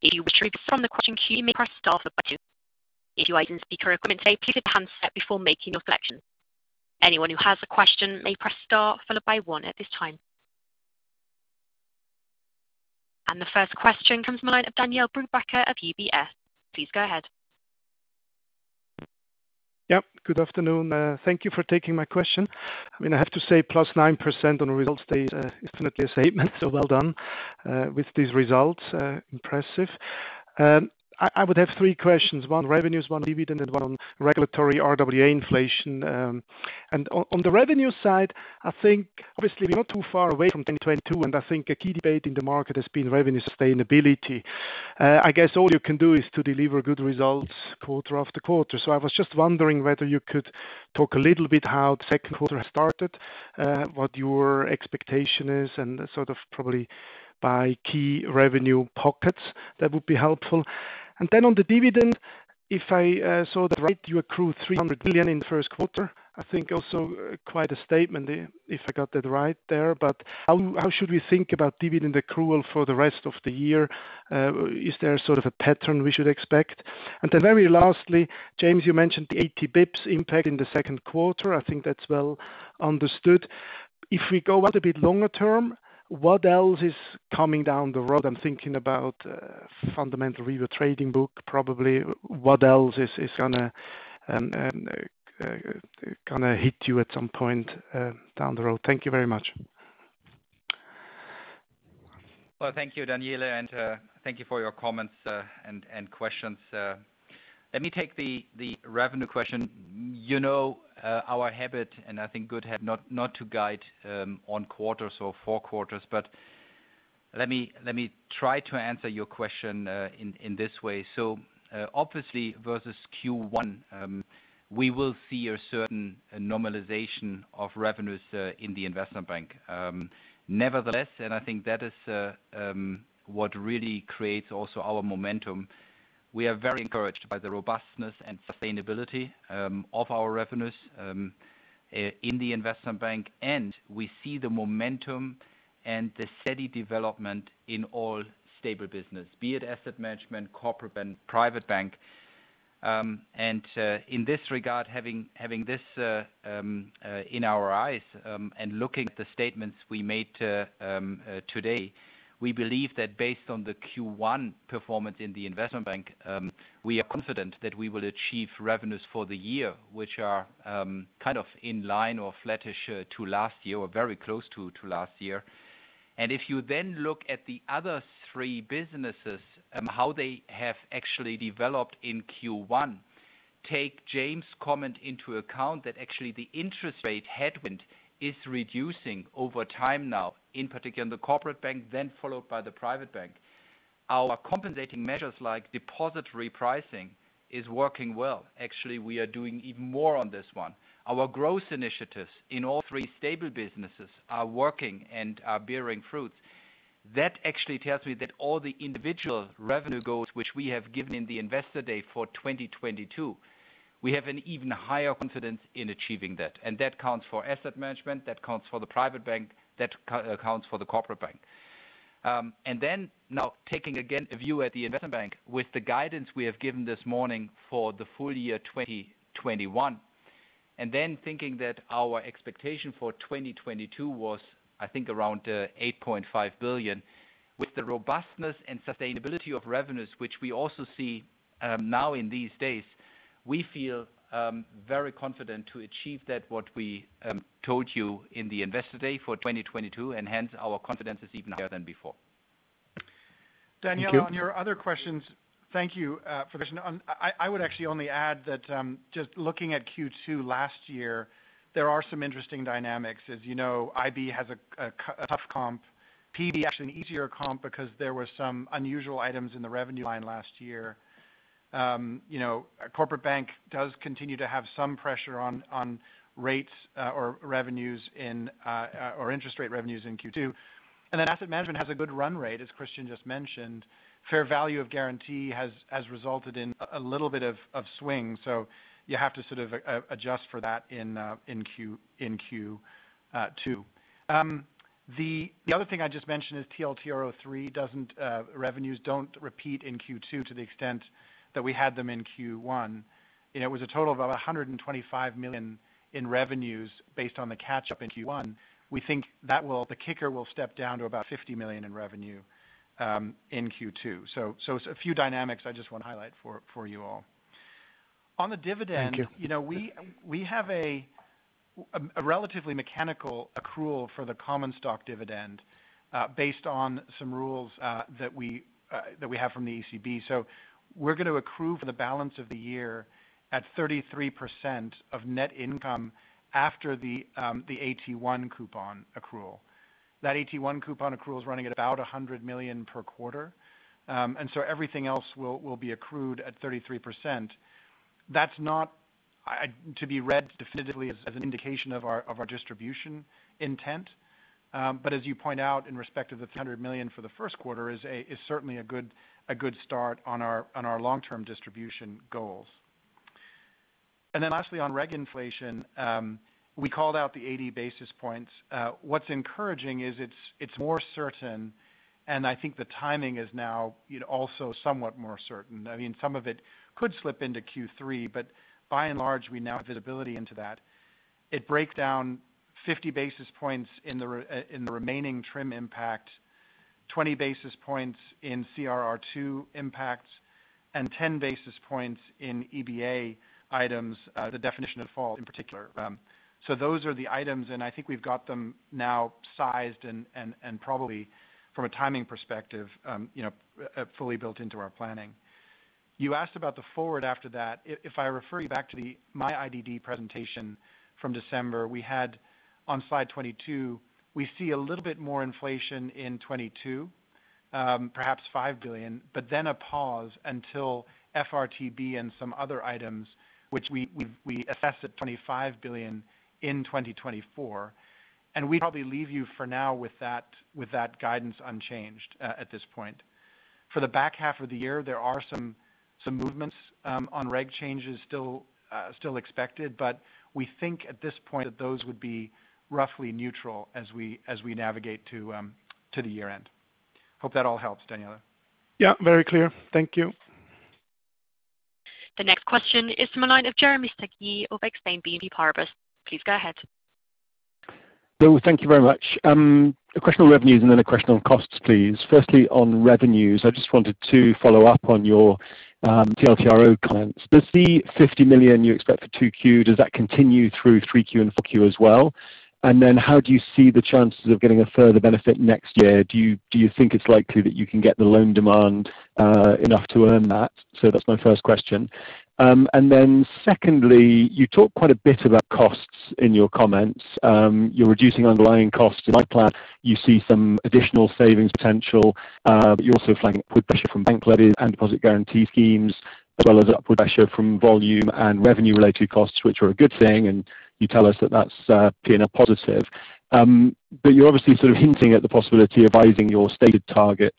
If you wish to withdraw from the question queue, you may press star followed by two. If you are using speaker equipment, please pick up the handset before making your selection. Anyone who has a question may press star followed by one at this time. The first question comes from the line of Daniele Brupbacher of UBS. Please go ahead. Yeah. Good afternoon. Thank you for taking my question. I have to say, +9% on results day is definitely a statement, so well done with these results. Impressive. I would have three questions. One on revenues, one dividend, and one on regulatory RWA inflation. On the revenue side, I think obviously we're not too far away from 2022, and I think a key debate in the market has been revenue sustainability. I guess all you can do is to deliver good results quarter after quarter. I was just wondering whether you could talk a little bit how the second quarter has started, what your expectation is, and sort of probably by key revenue pockets. That would be helpful. On the dividend, if I saw that right, you accrue 300 million in the first quarter. I think also quite a statement if I got that right there. How should we think about dividend accrual for the rest of the year? Is there sort of a pattern we should expect? Very lastly, James, you mentioned the 80 basis points impact in the second quarter. I think that's well understood. If we go out a bit longer term, what else is coming down the road? I'm thinking about Fundamental Review Trading Book probably. What else is going to hit you at some point down the road? Thank you very much. Well, thank you, Daniele, and thank you for your comments and questions. Let me take the revenue question. You know our habit, and I think good habit, not to guide on quarters or four quarters. Let me try to answer your question in this way. Obviously versus Q1, we will see a certain normalization of revenues in the investment bank. Nevertheless, and I think that is what really creates also our momentum. We are very encouraged by the robustness and sustainability of our revenues in the investment bank, and we see the momentum and the steady development in all stable business, be it Asset Management, Corporate Bank, Private Bank. In this regard, having this in our eyes, and looking at the statements we made today, we believe that based on the Q1 performance in the Investment Bank, we are confident that we will achieve revenues for the year, which are inline or flattish to last year, or very close to last year. If you then look at the other three businesses, how they have actually developed in Q1, take James' comment into account that actually the interest rate headwind is reducing over time now, in particular in the Corporate Bank, then followed by the Private Bank. Our compensating measures like deposit repricing is working well. Actually, we are doing even more on this one. Our growth initiatives in all three stable businesses are working and are bearing fruits. That actually tells me that all the individual revenue goals, which we have given in the Investor Day for 2022, we have an even higher confidence in achieving that. That counts for Asset Management, that counts for the Private Bank, that counts for the Corporate Bank. Now taking again a view at the Investment Bank with the guidance we have given this morning for the full year 2021. Thinking that our expectation for 2022 was, I think, around 8.5 billion with the robustness and sustainability of revenues, which we also see now in these days, we feel very confident to achieve that what we told you in the Investor Day for 2022, and hence our confidence is even higher than before. Thank you. Daniele, on your other questions- thank you for the question. I would actually only add that just looking at Q2 last year, there are some interesting dynamics. As you know, IB has a tough comp. PB actually an easier comp because there were some unusual items in the revenue line last year. Corporate Bank does continue to have some pressure on rates or revenues, or interest rate revenues in Q2. Asset Management has a good run rate, as Christian just mentioned. Fair value of guarantee has resulted in a little bit of swing, so you have to sort of adjust for that in Q2. The other thing I just mentioned is TLTRO III revenues don't repeat in Q2 to the extent that we had them in Q1. It was a total of about 125 million in revenues based on the catch-up in Q1. We think the kicker will step down to about 50 million in revenue in Q2. It's a few dynamics I just want to highlight for you all. Thank you. We have a relatively mechanical accrual for the common stock dividend based on some rules that we have from the ECB. We're going to accrue for the balance of the year at 33% of net income after the AT1 coupon accrual. That AT1 coupon accrual is running at about 100 million per quarter. Everything else will be accrued at 33%. That's not to be read definitively as an indication of our distribution intent. As you point out in respect of the 300 million for the first quarter is certainly a good start on our long-term distribution goals. Lastly, on reg inflation, we called out the 80 basis points. What's encouraging is it's more certain, and I think the timing is now also somewhat more certain. Some of it could slip into Q3, but by and large, we now have visibility into that. It breaks down 50 basis points in the remaining TRIM impact, 20 basis points in CRR2 impacts, and 10 basis points in EBA items, the definition of default in particular. Those are the items, and I think we've got them now sized and probably from a timing perspective, fully built into our planning. You asked about the forward after that. If I refer you back to my IDD presentation from December, we had on slide 22, we see a little bit more inflation in 2022, perhaps 5 billion, but then a pause until FRTB and some other items which we assess at 25 billion in 2024. We probably leave you for now with that guidance unchanged at this point. For the back half of the year, there are some movements on reg changes still expected, but we think at this point that those would be roughly neutral as we navigate to the year-end. Hope that all helps, Daniele. Yeah, very clear. Thank you. The next question is from the line of Jeremy Sigee of Exane BNP Paribas. Please go ahead. Thank you very much. A question on revenues and then a question on costs, please. Firstly, on revenues, I just wanted to follow up on your TLTRO comments. Does the 50 million you expect for 2Q, does that continue through 3Q and 4Q as well? How do you see the chances of getting a further benefit next year? Do you think it's likely that you can get the loan demand enough to earn that? That's my first question. Secondly, you talked quite a bit about costs in your comments. You're reducing underlying costs. In my plan, you see some additional savings potential, but you're also flagging upward pressure from bank levies and deposit guarantee schemes, as well as upward pressure from volume and revenue-related costs, which are a good thing. You tell us that's a positive. You're obviously sort of hinting at the possibility of raising your stated targets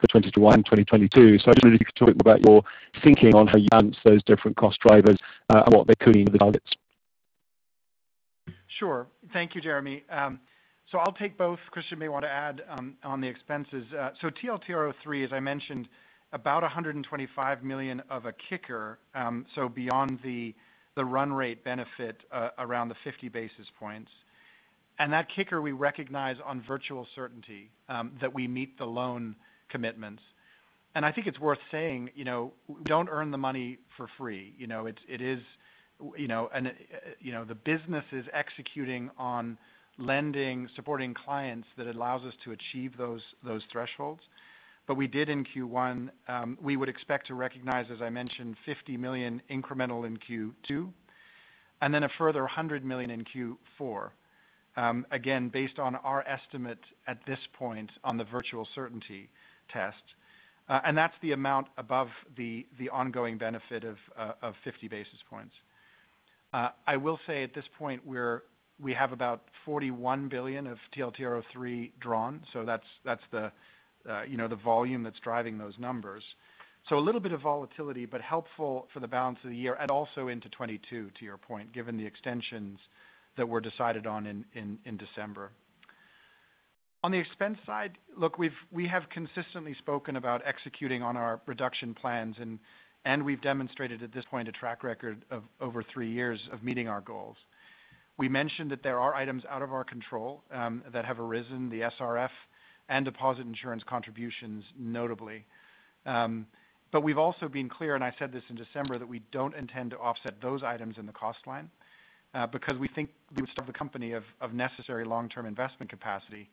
for 2021 and 2022. I just wonder if you could talk about your thinking on how you balance those different cost drivers and what they could mean for the targets. Sure. Thank you, Jeremy. I'll take both. Christian may want to add on the expenses. TLTRO III, as I mentioned, about 125 million of a kicker. Beyond the run rate benefit around the 50 basis points. That kicker we recognize on virtual certainty, that we meet the loan commitments. I think it's worth saying, we don't earn the money for free. The business is executing on lending, supporting clients that allows us to achieve those thresholds. We did in Q1. We would expect to recognize, as I mentioned, 50 million incremental in Q2, then a further 100 million in Q4. Again, based on our estimate at this point on the virtual certainty test. That's the amount above the ongoing benefit of 50 basis points. I will say at this point, we have about 41 billion of TLTRO III drawn. That's the volume that's driving those numbers. A little bit of volatility, but helpful for the balance of the year and also into 2022, to your point, given the extensions that were decided on in December. On the expense side, look, we have consistently spoken about executing on our reduction plans, and we've demonstrated at this point a track record of over three years of meeting our goals. We mentioned that there are items out of our control that have arisen, the SRF and deposit insurance contributions notably. We've also been clear, and I said this in December, that we don't intend to offset those items in the cost line because we think we would starve the company of necessary long-term investment capacity,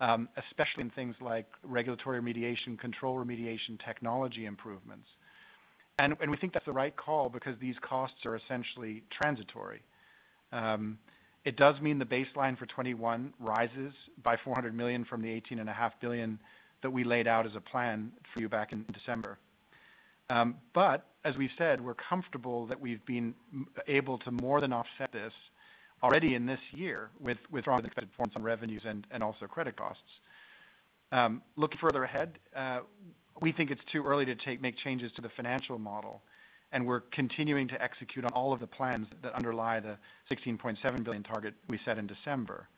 especially in things like regulatory remediation, control remediation, technology improvements. We think that's the right call because these costs are essentially transitory. It does mean the baseline for 2021 rises by 400 million from the 18.5 billion that we laid out as a plan for you back in December. As we've said, we're comfortable that we've been able to more than offset this already in this year with stronger-than-expected performance on revenues and also credit costs. Looking further ahead, we think it's too early to make changes to the financial model, and we're continuing to execute on all of the plans that underlie the 16.7 billion target we set in December.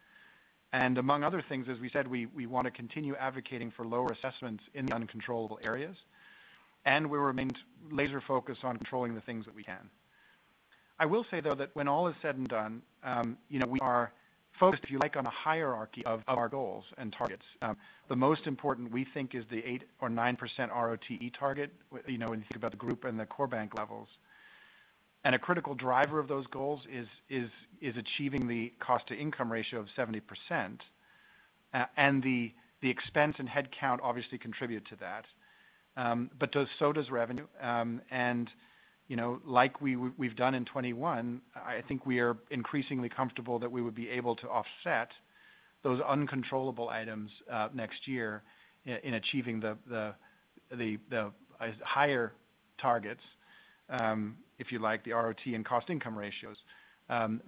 Among other things, as we said, we want to continue advocating for lower assessments in the uncontrollable areas. We remain laser-focused on controlling the things that we can. I will say, though, that when all is said and done, we are focused, if you like, on a hierarchy of our goals and targets. The most important, we think, is the 8% or 9% ROTE target, when you think about the group and the core bank levels. A critical driver of those goals is achieving the cost-to-income ratio of 70%. The expense and headcount obviously contribute to that. So does revenue. Like we've done in 2021, I think we are increasingly comfortable that we would be able to offset those uncontrollable items next year in achieving the higher targets, if you like, the ROTE and cost-to-income ratios,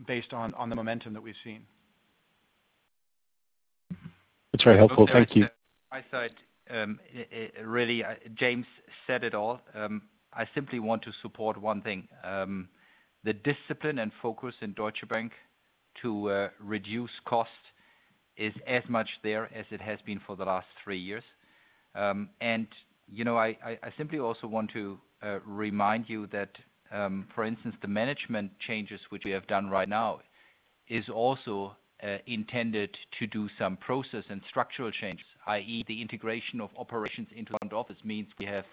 based on the momentum that we've seen. That's very helpful. Thank you. My side, really, James said it all. I simply want to support one thing. The discipline and focus in Deutsche Bank to reduce cost is as much there as it has been for the last three years. I simply also want to remind you that, for instance, the management changes which we have done right now is also intended to do some process and structural changes, i.e., the integration of operations into one office means we have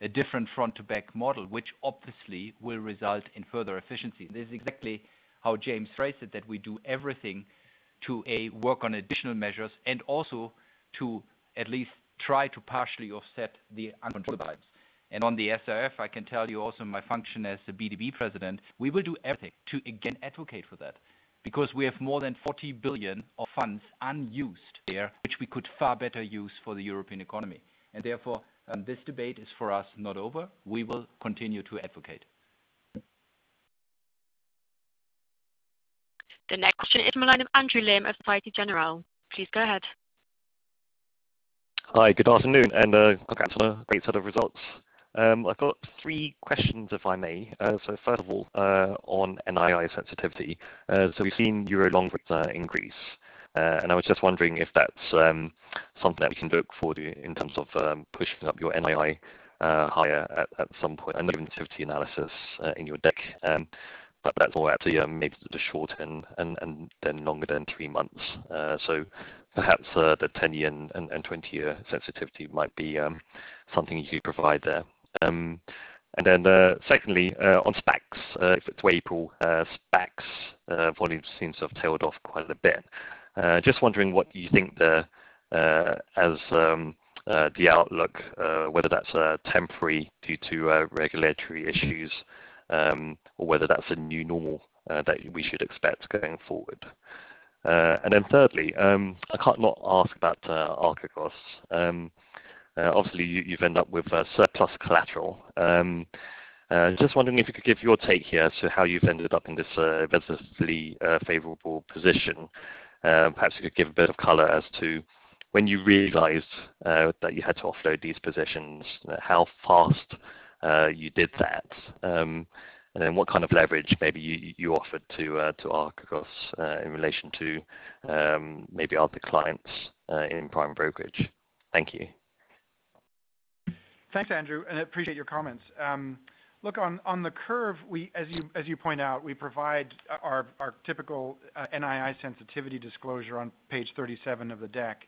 a different front-to-back model, which obviously will result in further efficiency. This is exactly how James phrased it, that we do everything to A, work on additional measures, and also to at least try to partially offset the uncontrollable items. On the SRF, I can tell you also in my function as the BdB president, we will do everything to again advocate for that because we have more than 40 billion of funds unused there, which we could far better use for the European economy. Therefore, this debate is for us not over. We will continue to advocate. The next question is from the line of Andrew Lim of Societe Generale. Please go ahead. Hi, good afternoon, and congrats on a great set of results. I've got three questions, if I may. First of all, on NII sensitivity. We've seen euro long rates increase. I was just wondering if that's something that you can look for in terms of pushing up your NII higher at some point. I know sensitivity analysis in your deck, but that's more up to maybe the short and then longer than three months. Perhaps the 10-year and 20-year sensitivity might be something you could provide there. Secondly, on SPACs, if we look to April, SPACs volume seems to have tailed off quite a bit. Just wondering what you think the outlook, whether that's temporary due to regulatory issues, or whether that's a new normal that we should expect going forward. Thirdly, I can't not ask about Archegos. Obviously, you've ended up with surplus collateral. Just wondering if you could give your take here to how you've ended up in this relatively favorable position? Perhaps you could give a bit of color as to when you realized that you had to offload these positions, how fast you did that, what kind of leverage maybe you offered to Archegos in relation to maybe other clients in prime brokerage? Thank you. Thanks, Andrew. I appreciate your comments. Look on the curve, as you point out, we provide our typical NII sensitivity disclosure on page 37 of the deck.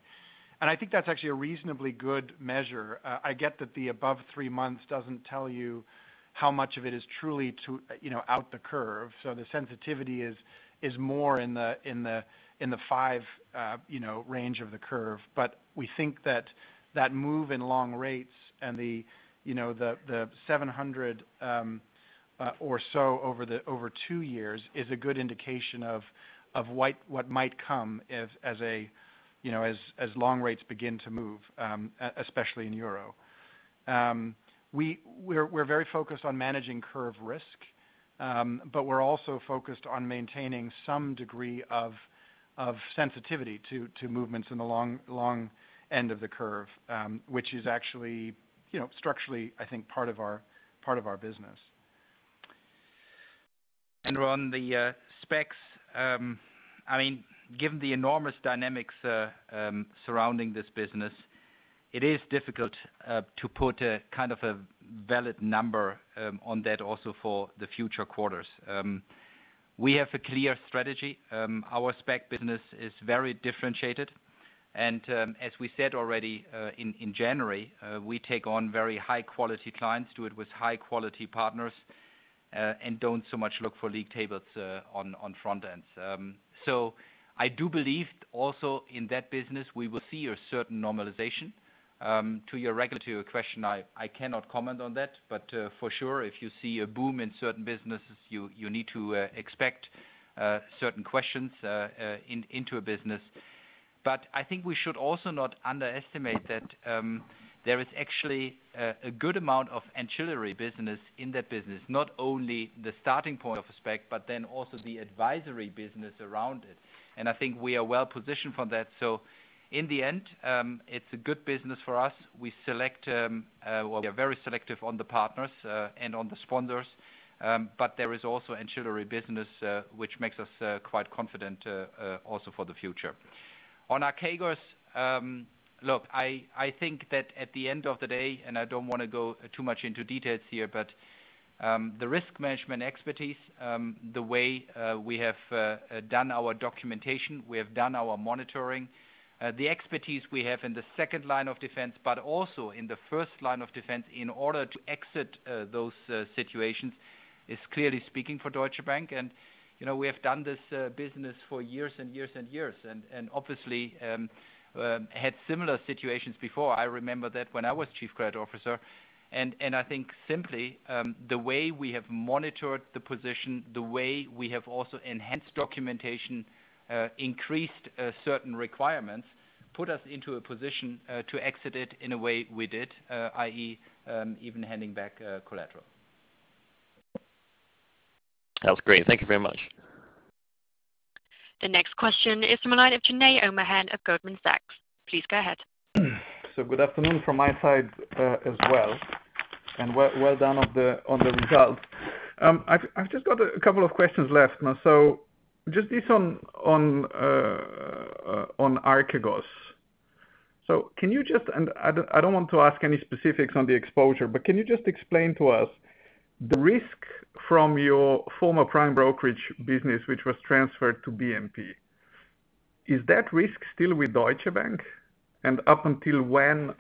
I think that's actually a reasonably good measure. I get that the above three months doesn't tell you how much of it is truly out the curve. The sensitivity is more in the five range of the curve. We think that that move in long rates and the 700 or so over two years is a good indication of what might come as long rates begin to move, especially in EUR. We're very focused on managing curve risk, but we're also focused on maintaining some degree of sensitivity to movements in the long end of the curve, which is actually structurally I think part of our business. Andrew, on the SPACs, given the enormous dynamics surrounding this business, it is difficult to put a valid number on that also for the future quarters. We have a clear strategy. Our SPAC business is very differentiated. As we said already in January, we take on very high-quality clients, do it with high-quality partners, and don't so much look for league tables on front ends. I do believe also in that business, we will see a certain normalization. To your regulatory question, I cannot comment on that, but for sure, if you see a boom in certain businesses, you need to expect certain questions into a business. I think we should also not underestimate that there is actually a good amount of ancillary business in that business. Not only the starting point of a SPAC, but then also the advisory business around it. I think we are well-positioned for that. In the end, it's a good business for us. We are very selective on the partners and on the sponsors, but there is also ancillary business, which makes us quite confident also for the future. On Archegos, look, I think that at the end of the day, and I don't want to go too much into details here, but the risk management expertise, the way we have done our documentation, we have done our monitoring. The expertise we have in the second line of defense, but also in the first line of defense in order to exit those situations is clearly speaking for Deutsche Bank. We have done this business for years and years and years. Obviously, had similar situations before. I remember that when I was Chief Credit Officer. I think simply, the way we have monitored the position, the way we have also enhanced documentation, increased certain requirements, put us into a position to exit it in a way we did, i.e., even handing back collateral. That was great. Thank you very much. The next question is from the line of Jernej Omahen of Goldman Sachs. Please go ahead. Good afternoon from my side as well, and well done on the results. I've just got a couple of questions left. Just this on Archegos. Can you just, and I don't want to ask any specifics on the exposure, but can you just explain to us the risk from your former prime brokerage business which was transferred to BNP. Is that risk still with Deutsche Bank? Up until when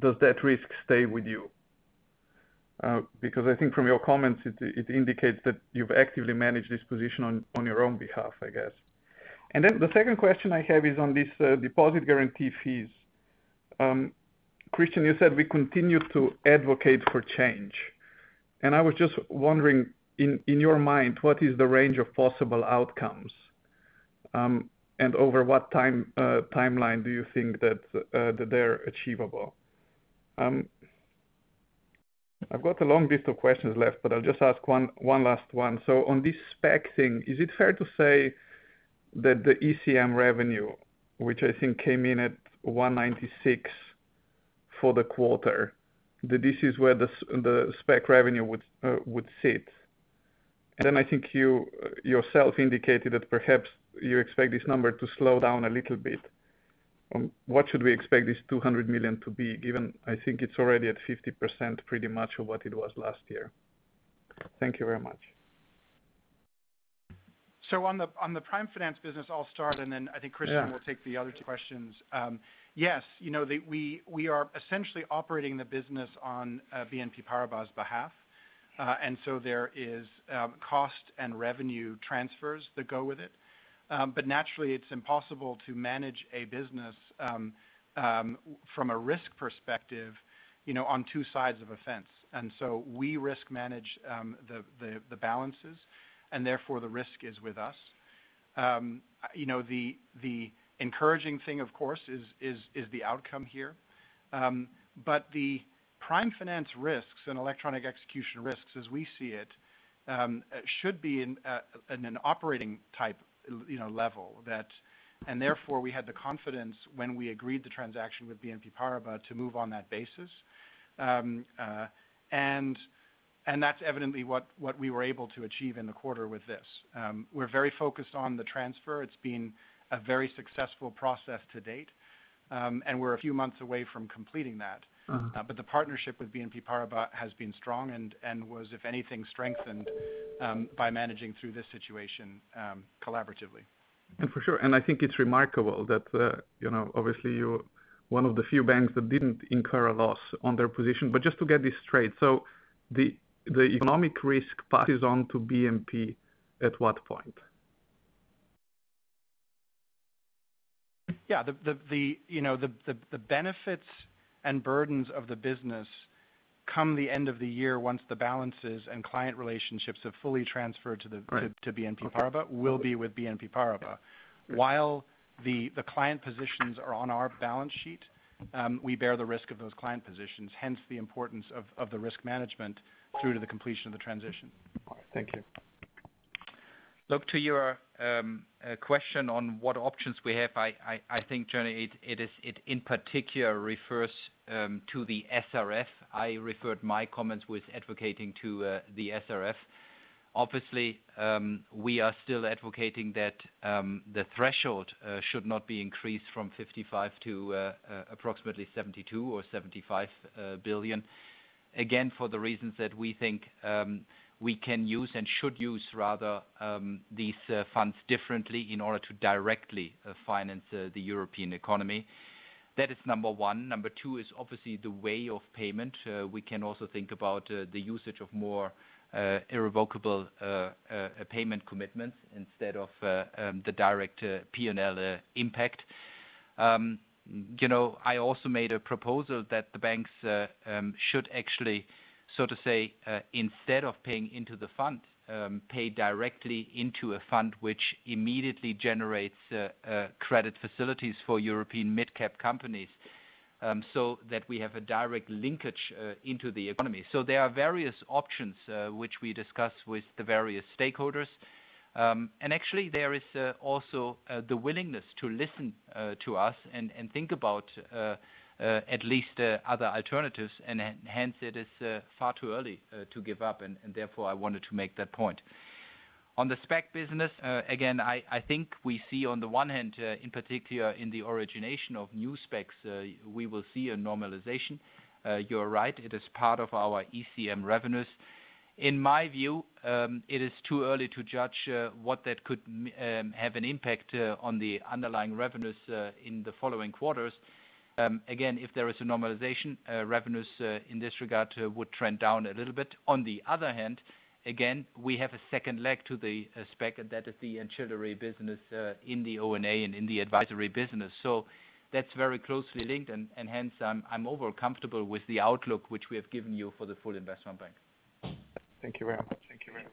does that risk stay with you? Because I think from your comments, it indicates that you've actively managed this position on your own behalf, I guess. The second question I have is on this deposit guarantee fees. Christian, you said we continue to advocate for change. I was just wondering, in your mind, what is the range of possible outcomes? Over what timeline do you think that they're achievable? I've got a long list of questions left, but I'll just ask one last one. On this SPAC thing, is it fair to say that the ECM revenue, which I think came in at 196 for the quarter, that this is where the SPAC revenue would sit? I think you yourself indicated that perhaps you expect this number to slow down a little bit. What should we expect this 200 million to be, given I think it's already at 50% pretty much of what it was last year. Thank you very much. On the Prime Finance business, I'll start and then I think Christian will take the other questions. Yes. We are essentially operating the business on BNP Paribas' behalf. There is cost and revenue transfers that go with it. Naturally, it's impossible to manage a business from a risk perspective on two sides of a fence. We risk manage the balances, and therefore the risk is with us. The encouraging thing, of course, is the outcome here. The Prime Finance risks and electronic execution risks, as we see it, should be in an operating type level. Therefore, we had the confidence when we agreed the transaction with BNP Paribas to move on that basis. That's evidently what we were able to achieve in the quarter with this. We're very focused on the transfer. It's been a very successful process to date, and we're a few months away from completing that. The partnership with BNP Paribas has been strong and was, if anything, strengthened by managing through this situation collaboratively. For sure. I think it's remarkable that, obviously you're one of the few banks that didn't incur a loss on their position. Just to get this straight, so the economic risk passes on to BNP at what point? Yeah. The benefits and burdens of the business come the end of the year, once the balances and client relationships have fully transferred to BNP Paribas, will be with BNP Paribas. While the client positions are on our balance sheet, we bear the risk of those client positions, hence the importance of the risk management through to the completion of the transition. Thank you. Look, to your question on what options we have, I think, Jernej, it in particular refers to the SRF. I referred my comments with advocating to the SRF. Obviously, we are still advocating that the threshold should not be increased from 55 to approximately 72 billion or 75 billion. Again, for the reasons that we think we can use and should use rather these funds differently in order to directly finance the European economy. That is number one. Number two is obviously the way of payment. We can also think about the usage of more irrevocable payment commitments instead of the direct P&L impact. I also made a proposal that the banks should actually, so to say, instead of paying into the fund, pay directly into a fund which immediately generates credit facilities for European midcap companies, so that we have a direct linkage into the economy. There are various options, which we discuss with the various stakeholders. Actually, there is also the willingness to listen to us and think about at least other alternatives, and hence it is far too early to give up, and therefore I wanted to make that point. On the SPAC business, I think we see on the one hand, in particular in the origination of new SPACs, we will see a normalization. You are right, it is part of our ECM revenues. In my view, it is too early to judge what that could have an impact on the underlying revenues in the following quarters. Again, if there is a normalization, revenues in this regard would trend down a little bit. On the other hand, again, we have a second leg to the SPAC, and that is the ancillary business in the O&A and in the advisory business. That's very closely linked, and hence I'm overall comfortable with the outlook which we have given you for the full investment bank. Thank you very much. Thank you very much.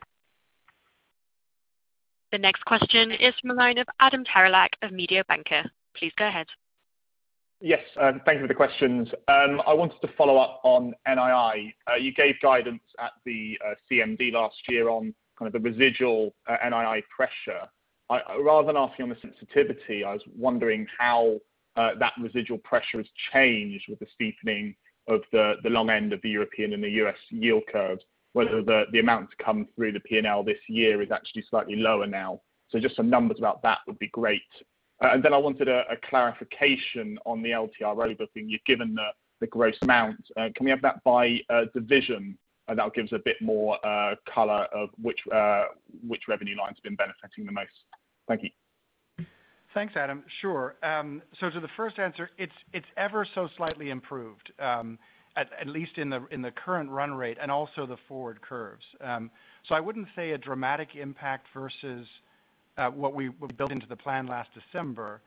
The next question is from the line of Adam Terelak of Mediobanca. Please go ahead. Yes, thank you for the questions. I wanted to follow up on NII. You gave guidance at the CMD last year on kind of the residual NII pressure. Rather than asking on the sensitivity, I was wondering how that residual pressure has changed with the steepening of the long end of the European and the U.S. yield curves, whether the amount to come through the P&L this year is actually slightly lower now. Just some numbers about that would be great. I wanted a clarification on the TLTRO book. You've given the gross amount. Can we have that by division? That gives a bit more color of which revenue line's been benefiting the most. Thank you. Thanks, Adam. Sure. To the first answer, it's ever so slightly improved, at least in the current run rate and also the forward curves. I wouldn't say a dramatic impact versus what we built into the plan last December.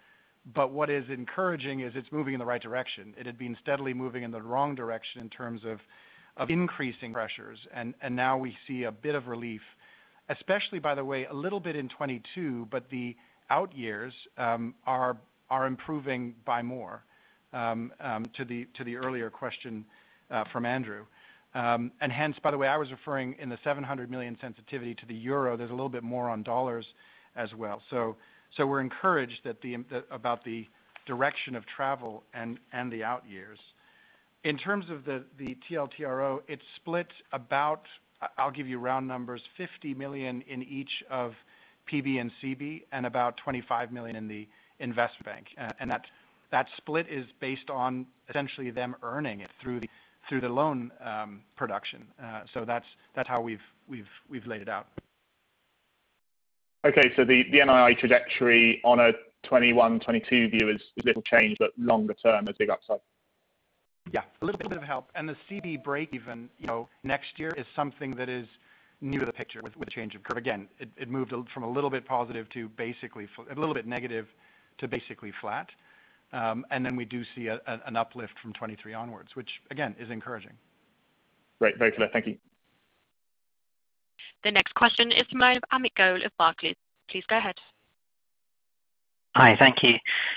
What is encouraging is it's moving in the right direction. It had been steadily moving in the wrong direction in terms of increasing pressures, and now we see a bit of relief, especially, by the way, a little bit in 2022, but the out years are improving by more, to the earlier question from Andrew. Hence, by the way, I was referring in the $700 million sensitivity to the EUR, there's a little bit more on USD as well. We're encouraged about the direction of travel and the out years. In terms of the TLTRO, it splits about, I'll give you round numbers, 50 million in each of PB and CB, and about 25 million in the Investment Bank. That split is based on essentially them earning it through the loan production. That's how we've laid it out. Okay. The NII trajectory on a 2021, 2022 view is little change, but longer term, a big upside. Yeah. A little bit of help. The CB breakeven next year is something that is new to the picture with the change of curve. Again, it moved from a little bit negative, to basically flat. Then we do see an uplift from 2023 onwards, which again, is encouraging. Great. Very clear. Thank you. The next question is from Amit Goel of Barclays. Please go ahead. Hi. Thank you,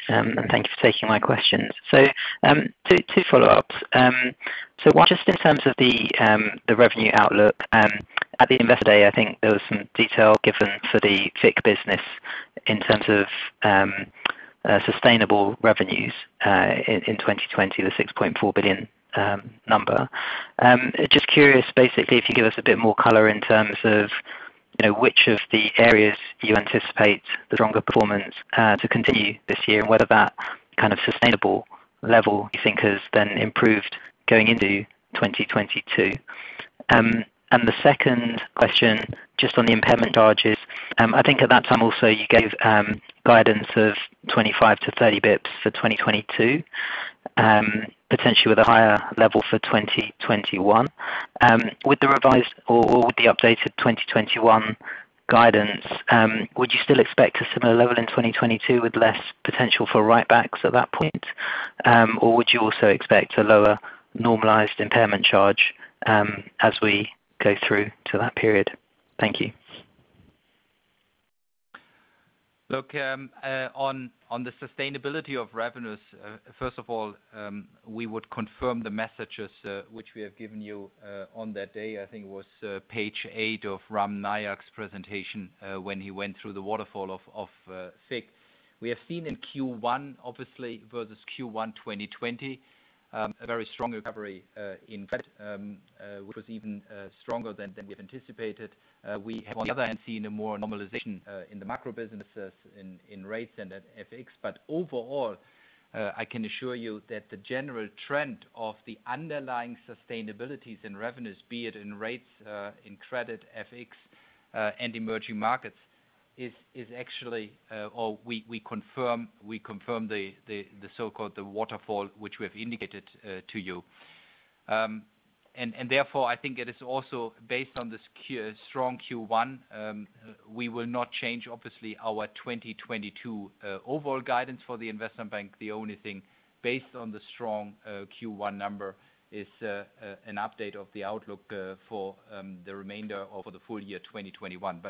and thank you for taking my questions. Two follow-ups. One, just in terms of the revenue outlook. At the Investor Deep Dive, I think there was some detail given for the FICC business in terms of sustainable revenues in 2020, the 6.4 billion number. Just curious, basically, if you give us a bit more color in terms of which of the areas you anticipate the stronger performance to continue this year, and whether that kind of sustainable level you think has then improved going into 2022. The second question, just on the impairment charges. I think at that time also, you gave guidance of 25-30 basis points for 2022, potentially with a higher level for 2021. With the revised or with the updated 2021 guidance, would you still expect a similar level in 2022 with less potential for write-backs at that point? Would you also expect a lower normalized impairment charge as we go through to that period? Thank you. Look, on the sustainability of revenues, first of all, we would confirm the messages which we have given you on that day, I think it was page eight of Ram Nayak's presentation, when he went through the waterfall of FICC. We have seen in Q1 obviously versus Q1 2020, a very strong recovery in credit, which was even stronger than we have anticipated. We have on the other hand seen a more normalization in the macro businesses in rates and at FX. Overall, I can assure you that the general trend of the underlying sustainabilities in revenues, be it in rates, in credit, FX, and emerging markets is actually, or we confirm the so-called the waterfall which we have indicated to you. Therefore, I think it is also based on the strong Q1, we will not change obviously our 2022 overall guidance for the Investment Bank. The only thing based on the strong Q1 number is an update of the outlook for the remainder of the full year 2021.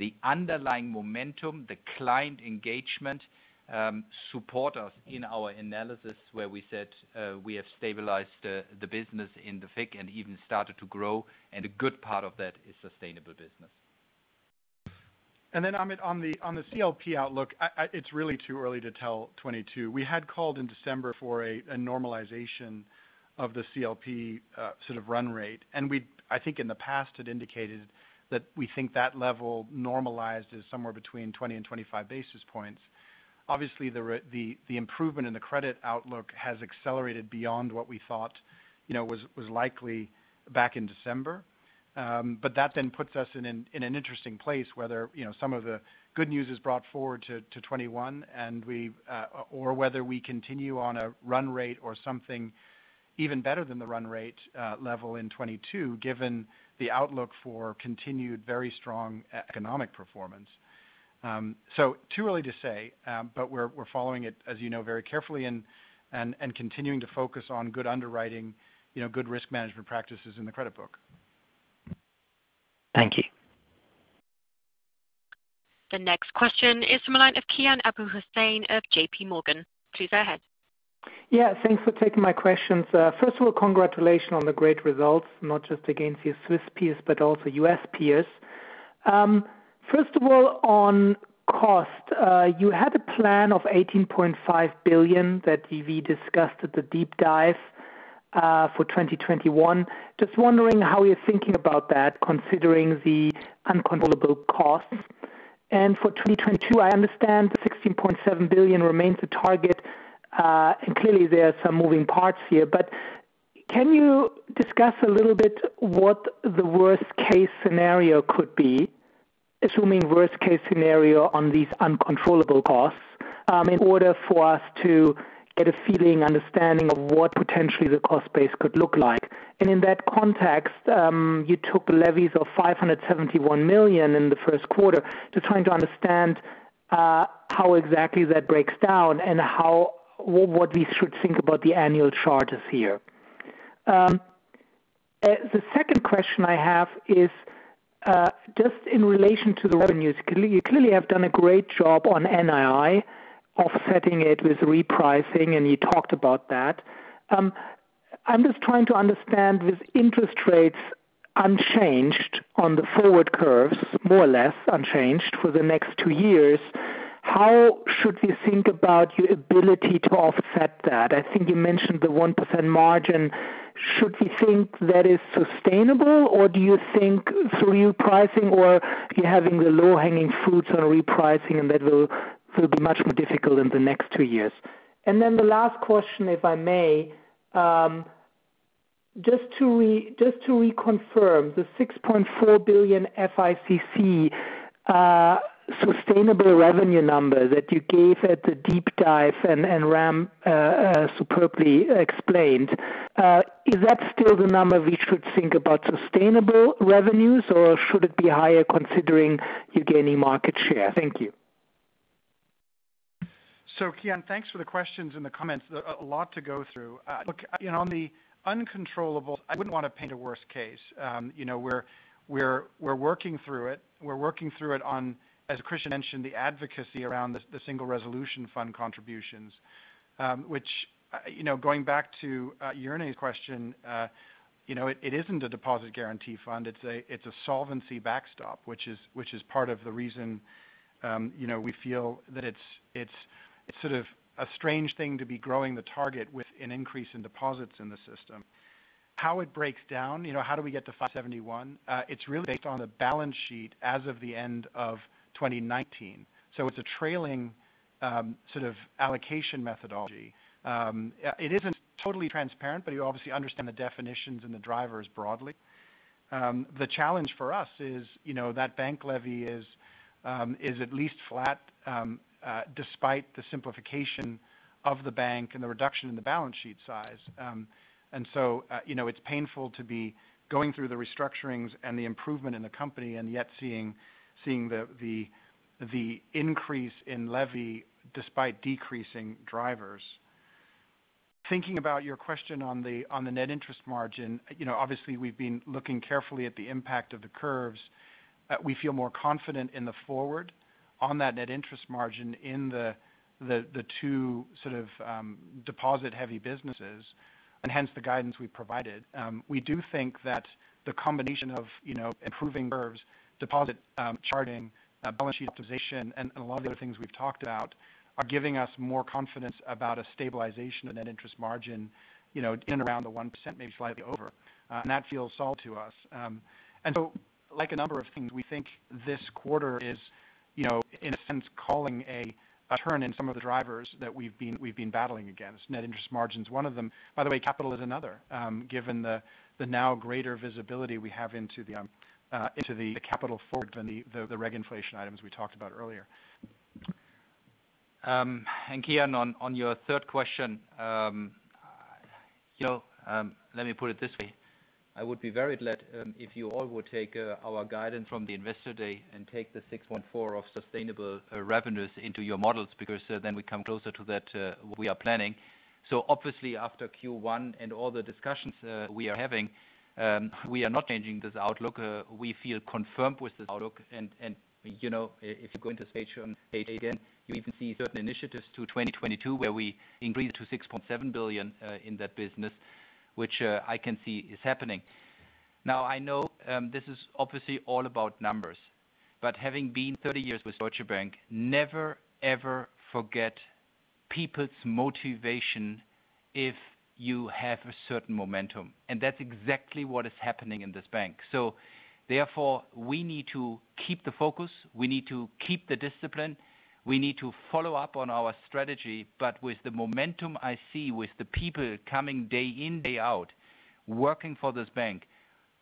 The underlying momentum, the client engagement, support us in our analysis where we said we have stabilized the business in the FICC and even started to grow, and a good part of that is sustainable business. Amit, on the CLP outlook, it's really too early to tell 2022. We had called in December for a normalization of the CLP sort of run rate. We, I think in the past had indicated that we think that level normalized is somewhere between 20 and 25 basis points. Obviously, the improvement in the credit outlook has accelerated beyond what we thought was likely back in December. That then puts us in an interesting place whether some of the good news is brought forward to 2021, or whether we continue on a run rate or something even better than the run rate, level in 2022, given the outlook for continued very strong economic performance. Too early to say, but we're following it, as you know, very carefully and continuing to focus on good underwriting, good risk management practices in the credit book. Thank you. The next question is from the line of Kian Abouhossein of JPMorgan. Please go ahead. Yeah, thanks for taking my questions. First of all, congratulations on the great results, not just against your Swiss peers, but also U.S. peers. First of all, on cost. You had a plan of 18.5 billion that we discussed at the Investor Deep Dive, for 2021. Just wondering how you're thinking about that considering the uncontrollable costs. For 2022, I understand the 16.7 billion remains the target. Clearly there are some moving parts here, but can you discuss a little bit what the worst-case scenario could be, assuming worst-case scenario on these uncontrollable costs, in order for us to get a feeling, understanding of what potentially the cost base could look like. In that context, you took levies of 571 million in the first quarter. Just trying to understand how exactly that breaks down, and what we should think about the annual charges here. The second question I have is, just in relation to the revenues. You clearly have done a great job on NII, offsetting it with repricing, and you talked about that. I'm just trying to understand with interest rates unchanged on the forward curves, more or less unchanged for the next two years. How should we think about your ability to offset that? I think you mentioned the 1% margin. Should we think that is sustainable, or do you think through repricing or you're having the low-hanging fruits on repricing and that will be much more difficult in the next two years? The last question, if I may, just to reconfirm the 6.4 billion FICC sustainable revenue number that you gave at the Investor Deep Dive and Ram superbly explained. Is that still the number we should think about sustainable revenues, or should it be higher considering you're gaining market share? Thank you. Kian, thanks for the questions and the comments. A lot to go through. Look, on the uncontrollables, I wouldn't want to paint a worst case. We're working through it. We're working through it on, as Christian mentioned, the advocacy around the Single Resolution Fund contributions, which, going back to Jernej's question, it isn't a deposit guarantee fund. It's a solvency backstop, which is part of the reason we feel that it's sort of a strange thing to be growing the target with an increase in deposits in the system. How it breaks down, how do we get to 571? It's really based on the balance sheet as of the end of 2019. It's a trailing sort of allocation methodology. It isn't totally transparent, you obviously understand the definitions and the drivers broadly. The challenge for us is that bank levy is at least flat, despite the simplification of the bank and the reduction in the balance sheet size. So, it's painful to be going through the restructurings and the improvement in the company and yet seeing the increase in levy despite decreasing drivers. Thinking about your question on the net interest margin, obviously we've been looking carefully at the impact of the curves. We feel more confident in the forward on that net interest margin in the two sort of deposit-heavy businesses, and hence the guidance we provided. We do think that the combination of improving curves, deposit charging, balance sheet optimization, and a lot of the other things we've talked about are giving us more confidence about a stabilization of net interest margin in and around the 1%, maybe slightly over. That feels solid to us. Like a number of things, we think this quarter is, in a sense, calling a turn in some of the drivers that we've been battling against. Net interest margin is one of them. By the way, capital is another, given the now greater visibility we have into the capital forward and the reg inflation items we talked about earlier. Kian, on your third question, let me put it this way. I would be very glad if you all would take our guidance from the investor day and take the 6.4 of sustainable revenues into your models, then we come closer to that, we are planning. Obviously after Q1 and all the discussions we are having, we are not changing this outlook. We feel confirmed with this outlook. If you go into the page again, you even see certain initiatives to 2022 where we increase it to 6.7 billion in that business, which I can see is happening. I know this is obviously all about numbers, having been 30 years with Deutsche Bank, never, ever forget people's motivation if you have a certain momentum. That's exactly what is happening in this bank. Therefore, we need to keep the focus. We need to keep the discipline. We need to follow up on our strategy. With the momentum I see with the people coming day in, day out, working for this bank,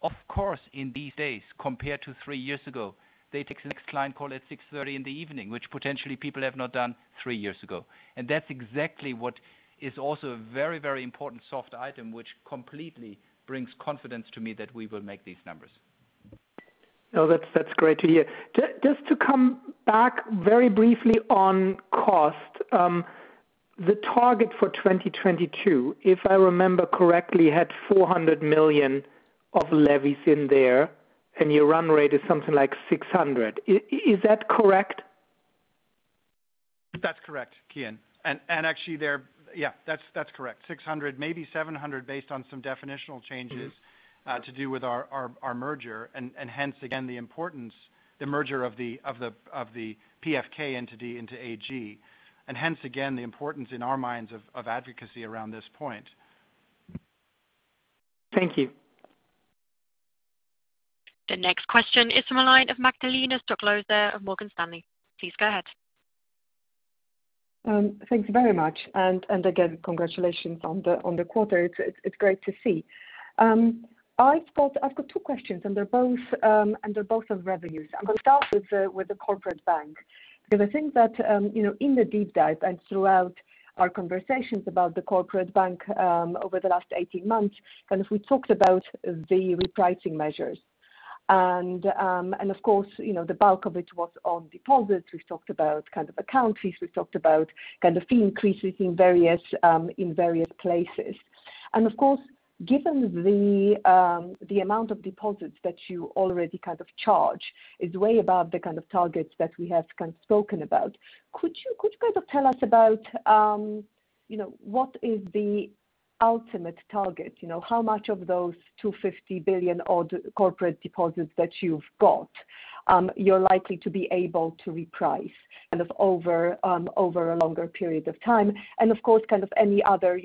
of course, in these days, compared to three years ago, they take the next client call at 6:30 P.M., which potentially people have not done three years ago. That's exactly what is also a very important soft item, which completely brings confidence to me that we will make these numbers. That's great to hear. Just to come back very briefly on cost. The target for 2022, if I remember correctly, had 400 million of levies in there, and your run rate is something like 600 million. Is that correct? That's correct, Kian. Actually, that's correct. 600, maybe 700, based on some definitional changes to do with our merger, and hence, again, the importance, the merger of the Postbank entity into AG. Hence, again, the importance in our minds of advocacy around this point. Thank you. The next question is from the line of Magdalena Stoklosa of Morgan Stanley. Please go ahead. Thank you very much. Again, congratulations on the quarter. It's great to see. I've got two questions, they're both on revenues. I'm going to start with the Corporate Bank, because I think that in the Deep Dive throughout our conversations about the Corporate Bank over the last 18 months, we talked about the repricing measures. Of course, the bulk of it was on deposits. We've talked about kind of account fees. We've talked about fee increases in various places. Of course, given the amount of deposits that you already charge is way above the targets that we have spoken about. Could you tell us about what is the ultimate target? How much of those $250 billion corporate deposits that you've got, you're likely to be able to reprice over a longer period of time, and of course, any other,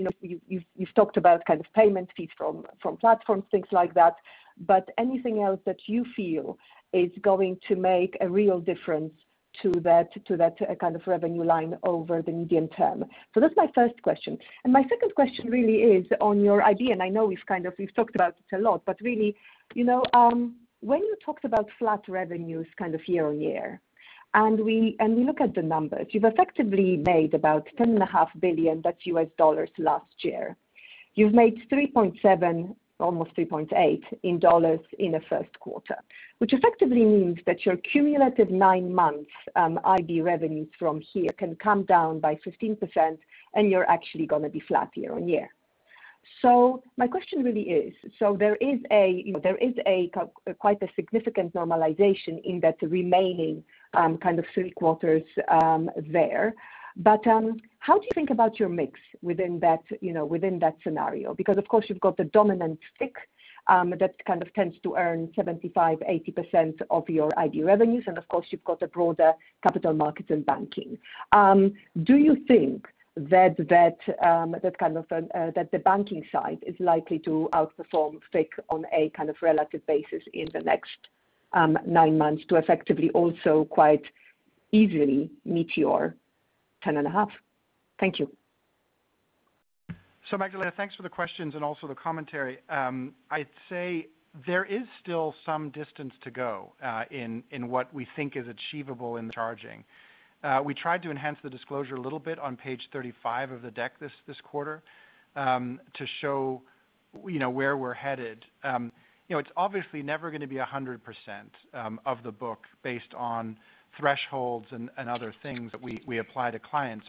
you've talked about payment fees from platforms, things like that? Anything else that you feel is going to make a real difference to that kind of revenue line over the medium term? That's my first question. My second question really is on your IB, and I know we've talked about it a lot, but really, when you talked about flat revenues year-on-year, and we look at the numbers, you've effectively made about $10.5 billion last year. You've made $3.7, almost $3.8 in dollars in the first quarter, which effectively means that your cumulative nine months IB revenues from here can come down by 15% and you're actually going to be flat year-on-year. My question really is, there is quite a significant normalization in that remaining three quarters there. But how do you think about your mix within that scenario? Because of course you've got the dominant FICC that tends to earn 75%, 80% of your IB revenues, and of course you've got the broader capital markets and banking. Do you think that the banking side is likely to outperform FICC on a relative basis in the next nine months to effectively also quite easily meet your $10.5 billion? Thank you. Magdalena, thanks for the questions and also the commentary. I'd say there is still some distance to go in what we think is achievable in charging. We tried to enhance the disclosure a little bit on page 35 of the deck this quarter, to show where we're headed. It is obviously never going to be 100% of the book based on thresholds and other things that we apply to clients.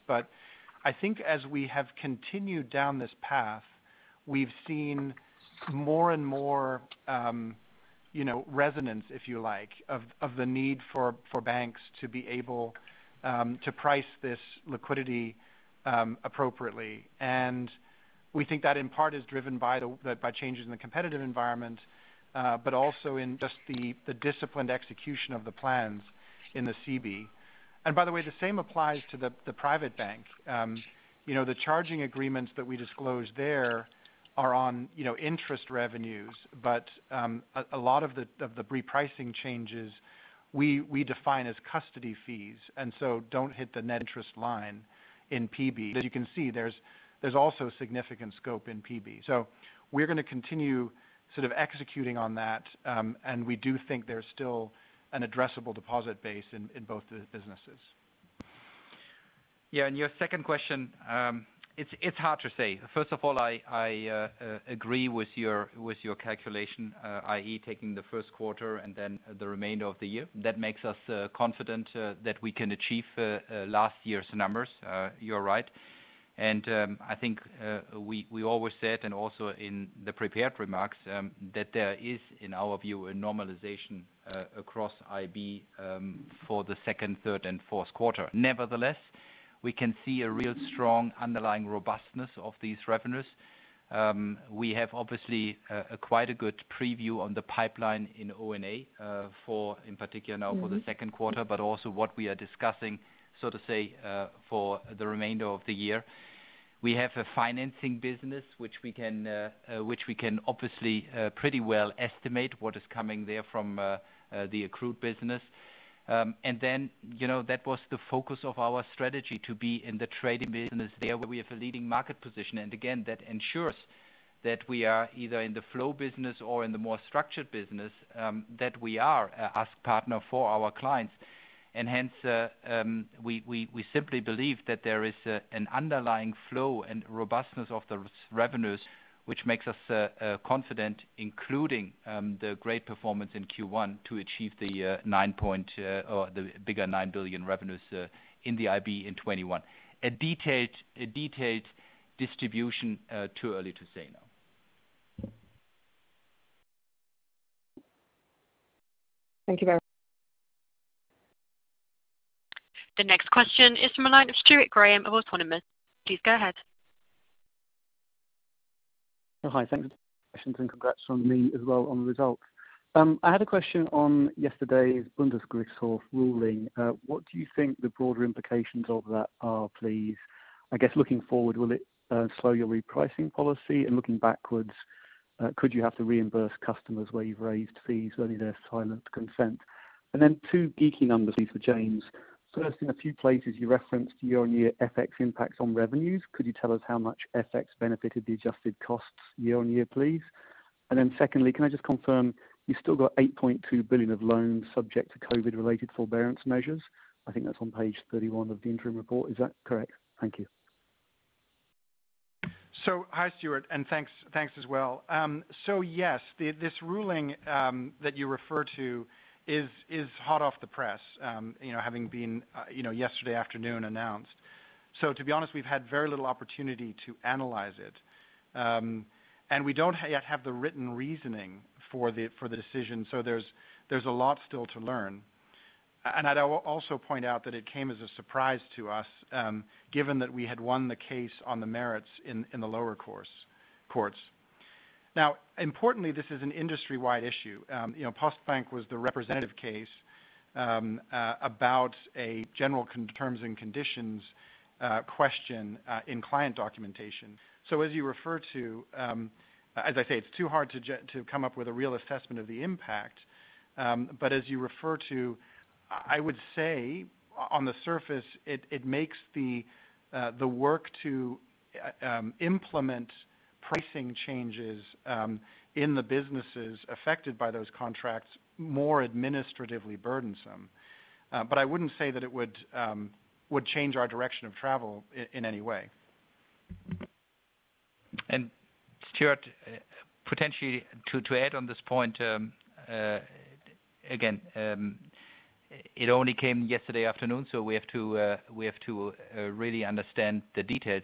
I think as we have continued down this path, we have seen more and more resonance, if you like, of the need for banks to be able to price this liquidity appropriately. We think that in part is driven by changes in the competitive environment, but also in just the disciplined execution of the plans in the CB. By the way, the same applies to the Private Bank. The charging agreements that we disclose there are on interest revenues, a lot of the repricing changes we define as custody fees, and so don't hit the net interest line in PB. As you can see, there's also significant scope in PB. We're going to continue executing on that, and we do think there's still an addressable deposit base in both the businesses. Your second question, it's hard to say. First of all, I agree with your calculation, i.e. taking the first quarter and then the remainder of the year. That makes us confident that we can achieve last year's numbers. You're right. I think we always said, and also in the prepared remarks, that there is, in our view, a normalization across IB for the second, third, and fourth quarter. Nevertheless, we can see a real strong underlying robustness of these revenues. We have obviously quite a good preview on the pipeline in O&A, in particular now for the second quarter, but also what we are discussing, so to say, for the remainder of the year. We have a financing business, which we can obviously pretty well estimate what is coming there from the accrued business. That was the focus of our strategy to be in the trading business there, where we have a leading market position. That ensures that we are either in the flow business or in the more structured business, that we are a partner for our clients. We simply believe that there is an underlying flow and robustness of those revenues, which makes us confident, including the great performance in Q1, to achieve the bigger 9 billion revenues in the IB in 2021. A detailed distribution, too early to say now. Thank you very much. The next question is from the line of Stuart Graham of Autonomous. Please go ahead. Hi, thanks. Congrats from me as well on the results. I had a question on yesterday's Bundesgerichtshof ruling. What do you think the broader implications of that are, please? I guess looking forward, will it slow your repricing policy? Looking backwards, could you have to reimburse customers where you've raised fees only their silent consent? Two geeky numbers, please, for James. First, in a few places you referenced year-on-year FX impacts on revenues. Could you tell us how much FX benefited the adjusted costs year on year, please? Secondly, can I just confirm you've still got 8.2 billion of loans subject to COVID-related forbearance measures? I think that's on page 31 of the interim report. Is that correct? Thank you. Hi, Stuart, and thanks as well. Yes, this ruling that you refer to is hot off the press, having been yesterday afternoon announced. To be honest, we've had very little opportunity to analyze it. We don't yet have the written reasoning for the decision. There's a lot still to learn. I'd also point out that it came as a surprise to us, given that we had won the case on the merits in the lower courts. Importantly, this is an industry-wide issue. Postbank was the representative case about a general terms and conditions question in client documentation. As I say, it's too hard to come up with a real assessment of the impact. As you refer to, I would say on the surface, it makes the work to implement pricing changes in the businesses affected by those contracts more administratively burdensome. I wouldn't say that it would change our direction of travel in any way. Stuart, potentially to add on this point, again, it only came yesterday afternoon, so we have to really understand the details.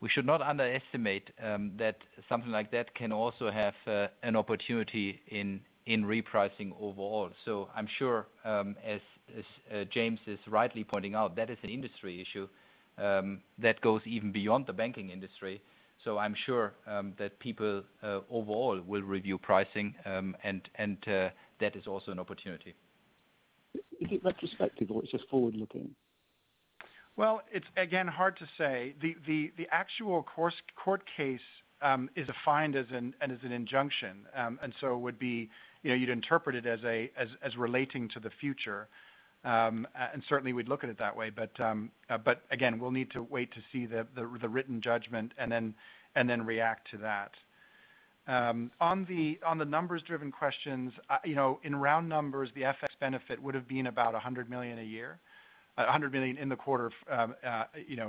We should not underestimate that something like that can also have an opportunity in repricing overall. I'm sure, as James is rightly pointing out, that is an industry issue that goes even beyond the banking industry. I'm sure that people overall will review pricing, and that is also an opportunity. Is it retrospective or it's just forward-looking? Well, it's again, hard to say. The actual court case is defined as an injunction. You'd interpret it as relating to the future. Certainly, we'd look at it that way. Again, we'll need to wait to see the written judgment and then react to that. On the numbers-driven questions, in round numbers, the FX benefit would have been about 100 million a year, 100 million in the quarter,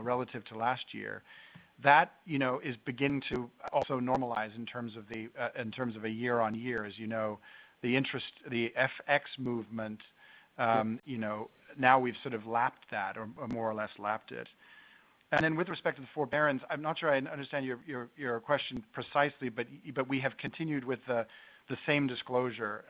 relative to last year. That is beginning to also normalize in terms of a year-on-year. As you know, the FX movement, now we've sort of lapped that or more or less lapped it. With respect to the forbearance, I'm not sure I understand your question precisely, we have continued with the same disclosure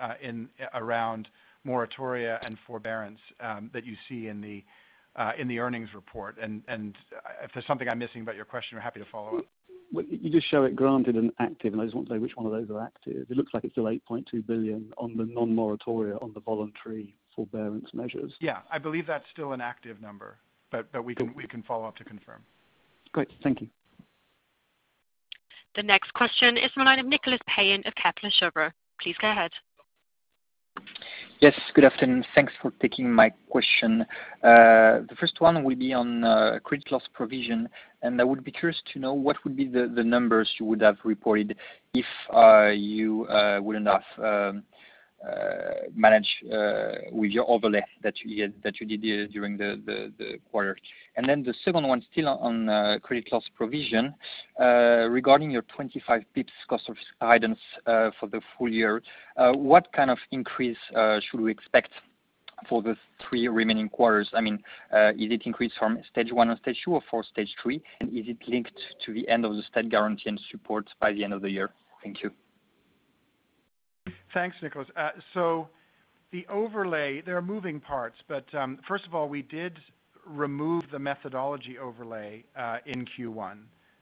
around moratoria and forbearance that you see in the earnings report. If there's something I'm missing about your question, we're happy to follow up. You just show it granted and active, and I just want to say which one of those are active. It looks like it is still 8.2 billion on the non-moratoria on the voluntary forbearance measures. Yeah, I believe that's still an active number, but we can follow up to confirm. Great. Thank you. The next question is from the line of Nicolas Payen of Kepler Cheuvreux. Please go ahead. Yes, good afternoon. Thanks for taking my question. The first one will be on credit loss provision. I would be curious to know what would be the numbers you would have reported if you wouldn't have managed with your overlay that you did during the quarter. The second one, still on credit loss provision, regarding your 25 basis points cost of risk guidance for the full year, what kind of increase should we expect for the three remaining quarters? I mean, is it increased from stage 1 or stage 2 or for stage 3? Is it linked to the end of the state guarantee and support by the end of the year? Thank you. Thanks, Nicolas. The overlay, there are moving parts, but first of all, we did remove the methodology overlay in Q1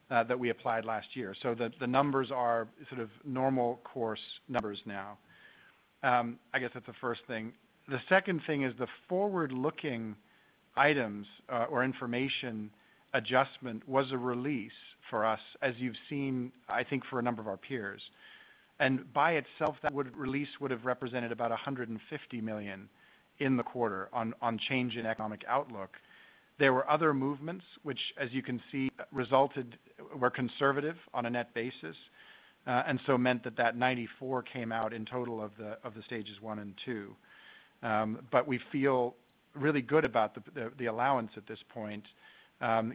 that we applied last year so that the numbers are sort of normal course numbers now. I guess that's the first thing. The second thing is the forward-looking items or information adjustment was a release for us, as you've seen, I think for a number of our peers. By itself, that release would have represented about 150 million in the quarter on change in economic outlook. There were other movements which as you can see, were conservative on a net basis, meant that that 94 came out in total of the stages 1 and 2. We feel really good about the allowance at this point,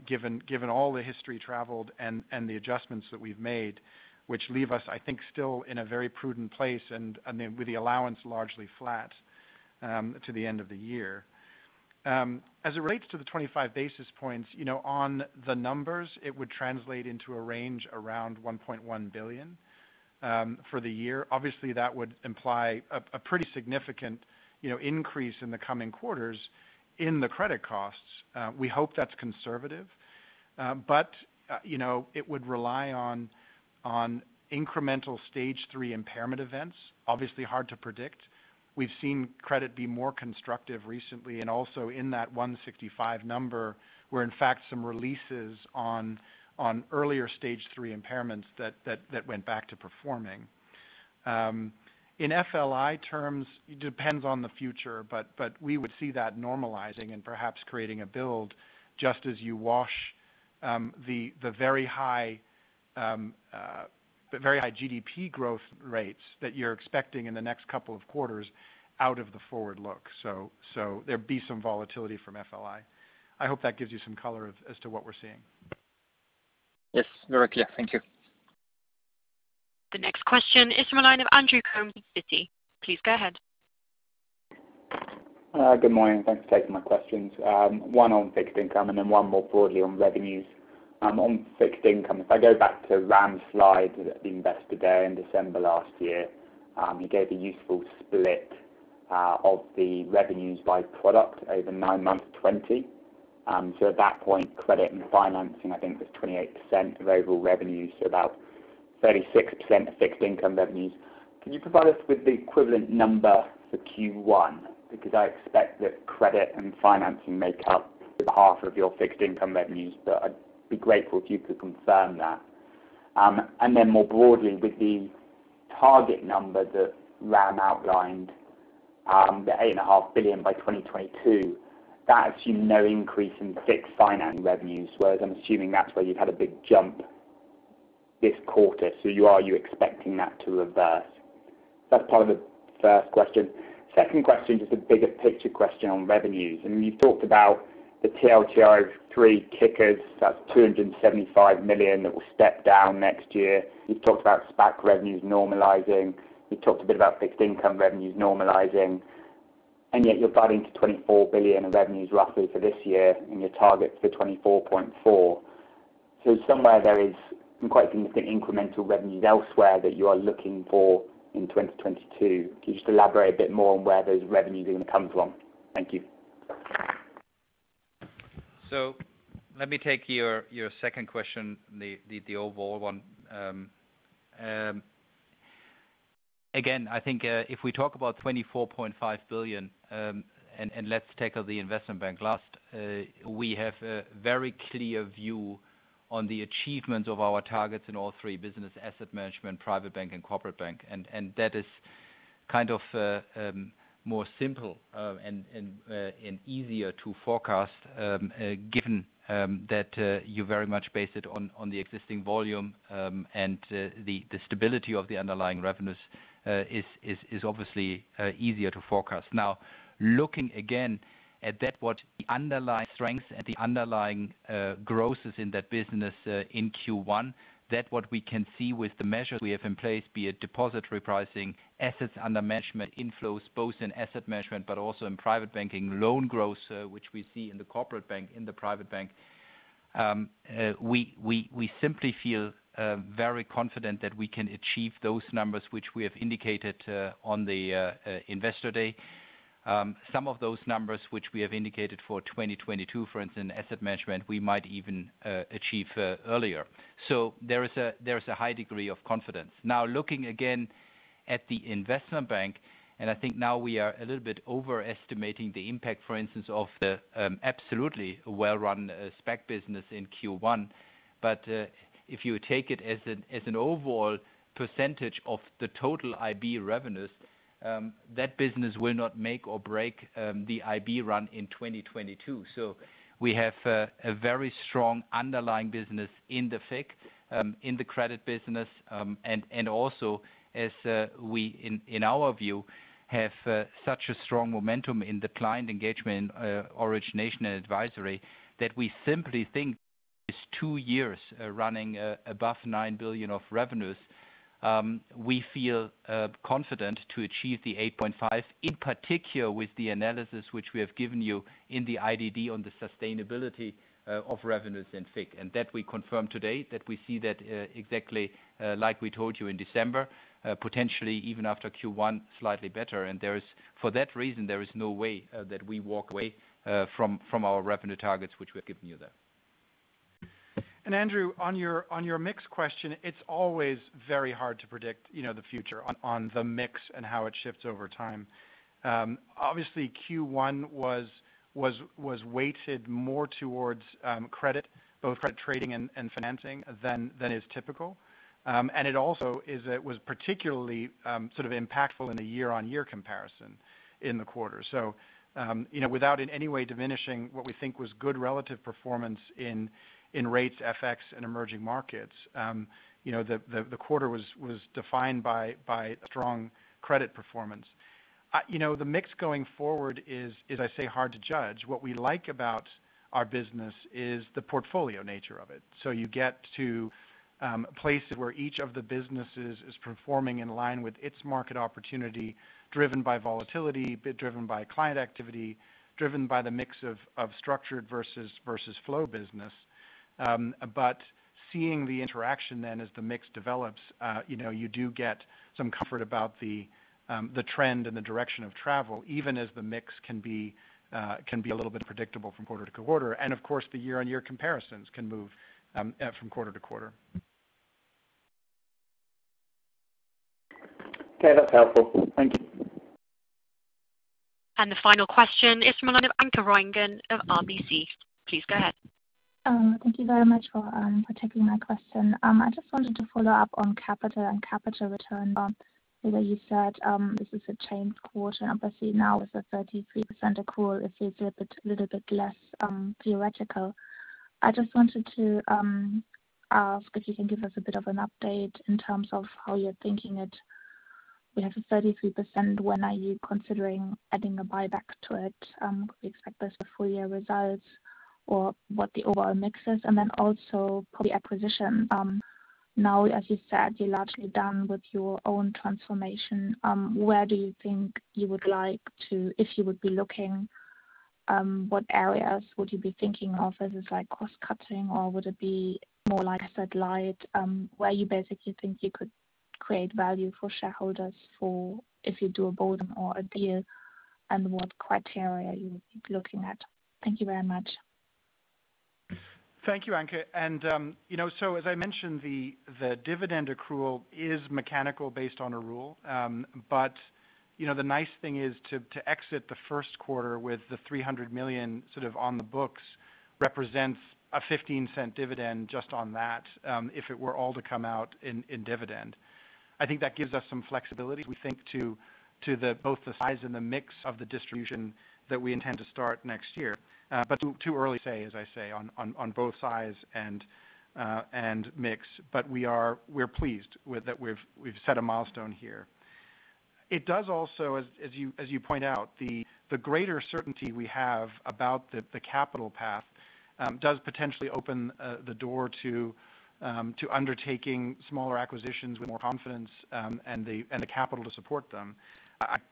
given all the history traveled and the adjustments that we've made, which leave us, I think, still in a very prudent place and with the allowance largely flat to the end of the year. As it relates to the 25 basis points, on the numbers, it would translate into a range around 1.1 billion for the year. Obviously, that would imply a pretty significant increase in the coming quarters in the credit costs. We hope that's conservative. It would rely on incremental stage 3 impairment events. Obviously hard to predict. We've seen credit be more constructive recently, and also in that 165 number, were in fact some releases on earlier stage 3 impairments that went back to performing. In FLI terms, it depends on the future, but we would see that normalizing and perhaps creating a build just as you wash the very high GDP growth rates that you're expecting in the next couple of quarters out of the forward look. There'd be some volatility from FLI. I hope that gives you some color as to what we're seeing. Yes, very clear. Thank you. The next question is from the line of Andrew Coombs, Citi. Please go ahead. Good morning. Thanks for taking my questions. One on fixed income and then one more broadly on revenues. On fixed income, if I go back to Ram's slide at the Investor Deep Dive in December last year, you gave a useful split of the revenues by product over nine months 2020. At that point, credit and financing, I think was 28% of overall revenues, about 36% of fixed income revenues. Can you provide us with the equivalent number for Q1? I expect that credit and financing make up the half of your fixed income revenues, but I'd be grateful if you could confirm that. More broadly, with the target number that Ram outlined, the 8.5 billion by 2022, that's showing no increase in fixed income finance revenues, whereas I'm assuming that's where you've had a big jump this quarter. Are you expecting that to reverse? That's part of the first question. Second question, just a bigger picture question on revenues. You talked about the TLTRO III kickers. That's 275 million that will step down next year. You've talked about SPAC revenues normalizing. You talked a bit about Fixed Income revenues normalizing. Yet you're guiding to 24 billion of revenues roughly for this year, and you target for 24.4. Somewhere there is some quite significant incremental revenues elsewhere that you are looking for in 2022. Can you just elaborate a bit more on where those revenues are going to come from? Thank you. Let me take your second question, the overall one. I think if we talk about 24.5 billion, let's tackle the investment bank last, we have a very clear view on the achievement of our targets in all three business, Asset Management, Private Bank, and Corporate Bank. That is more simple and easier to forecast given that you very much base it on the existing volume and the stability of the underlying revenues is obviously easier to forecast. Looking again at that what the underlying strengths and the underlying growth in that business in Q1, that what we can see with the measures we have in place, be it deposit repricing, assets under management inflows, both in Asset Management but also in private banking, loan growth, which we see in the Corporate Bank, in the Private Bank. We simply feel very confident that we can achieve those numbers which we have indicated on the Investor Day. Some of those numbers which we have indicated for 2022, for instance, Asset Management, we might even achieve earlier. There is a high degree of confidence. Looking again at the Investment Bank, and I think now we are a little bit overestimating the impact, for instance, of the absolutely well-run SPAC business in Q1. If you take it as an overall percentage of the total IB revenues, that business will not make or break the IB run in 2022. We have a very strong underlying business in the FICC, in the credit business, and also as we, in our view, have such a strong momentum in the client engagement, Origination and Advisory that we simply think this two years running above 9 billion of revenues, we feel confident to achieve the 8.5 billion, in particular with the analysis which we have given you in the IDD on the sustainability of revenues in FICC. That we confirm today that we see that exactly like we told you in December, potentially even after Q1, slightly better. For that reason, there is no way that we walk away from our revenue targets, which we have given you there. Andrew, on your mix question, it's always very hard to predict the future on the mix and how it shifts over time. Obviously, Q1 was weighted more towards credit, both credit trading and financing, than is typical. It also was particularly impactful in a year-on-year comparison in the quarter. Without in any way diminishing what we think was good relative performance in rates, FX, and emerging markets, the quarter was defined by a strong credit performance. The mix going forward is, as I say, hard to judge. What we like about our business is the portfolio nature of it. You get to places where each of the businesses is performing in line with its market opportunity, driven by volatility, driven by client activity, driven by the mix of structured versus flow business. Seeing the interaction then as the mix develops, you do get some comfort about the trend and the direction of travel, even as the mix can be a little bit unpredictable from quarter to quarter. Of course, the year-on-year comparisons can move from quarter to quarter. Okay, that's helpful. Thank you. The final question is from Anke Reingen of RBC. Please go ahead. Thank you very much for taking my question. I just wanted to follow up on capital and capital return. You said this is a changed quarter. Obviously now with the 33% accrual, it is a little bit less theoretical. I just wanted to ask if you can give us a bit of an update in terms of how you're thinking it. We have a 33%. When are you considering adding a buyback to it? We expect those for full year results. What the overall mix is? Also for the acquisition? As you said, you're largely done with your own transformation. Where do you think you would like to, if you would be looking, what areas would you be thinking of as cost cutting or would it be more a satellite? Where you basically think you could create value for shareholders for if you do a bolt-on or a deal and what criteria you would be looking at? Thank you very much. Thank you, Anke. As I mentioned, the dividend accrual is mechanical based on a rule. The nice thing is to exit the first quarter with the 300 million sort of on the books represents a 0.15 dividend just on that, if it were all to come out in dividend. I think that gives us some flexibility as we think to both the size and the mix of the distribution that we intend to start next year. Too early to say, as I say, on both sides and mix. We're pleased that we've set a milestone here. It does also, as you point out, the greater certainty we have about the capital path does potentially open the door to undertaking smaller acquisitions with more confidence and the capital to support them.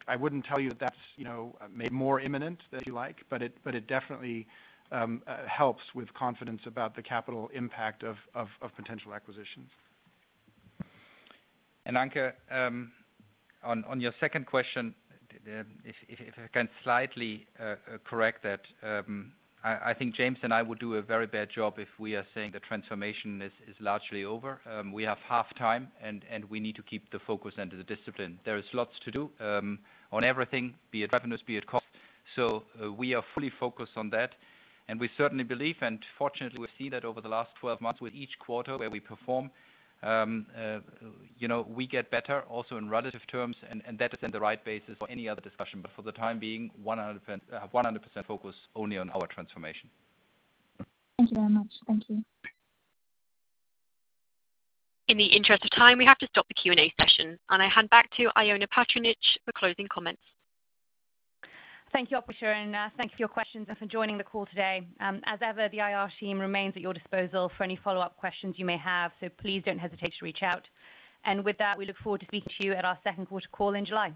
I wouldn't tell you that's made more imminent, if you like, but it definitely helps with confidence about the capital impact of potential acquisitions. Anke, on your second question, if I can slightly correct that, I think James and I would do a very bad job if we are saying the transformation is largely over. We have half time and we need to keep the focus and the discipline. There is lots to do on everything, be it revenues, be it cost. We are fully focused on that and we certainly believe, and fortunately we've seen that over the last 12 months with each quarter where we perform. We get better also in relative terms and that is then the right basis for any other discussion. For the time being, 100% focus only on our transformation. Thank you very much. Thank you. In the interest of time, we have to stop the Q&A session and I hand back to Ioana Patriniche for closing comments. Thank you, Apursha and thank you for your questions and for joining the call today. As ever, the IR team remains at your disposal for any follow-up questions you may have, so please don't hesitate to reach out. With that, we look forward to speaking to you at our second quarter call in July.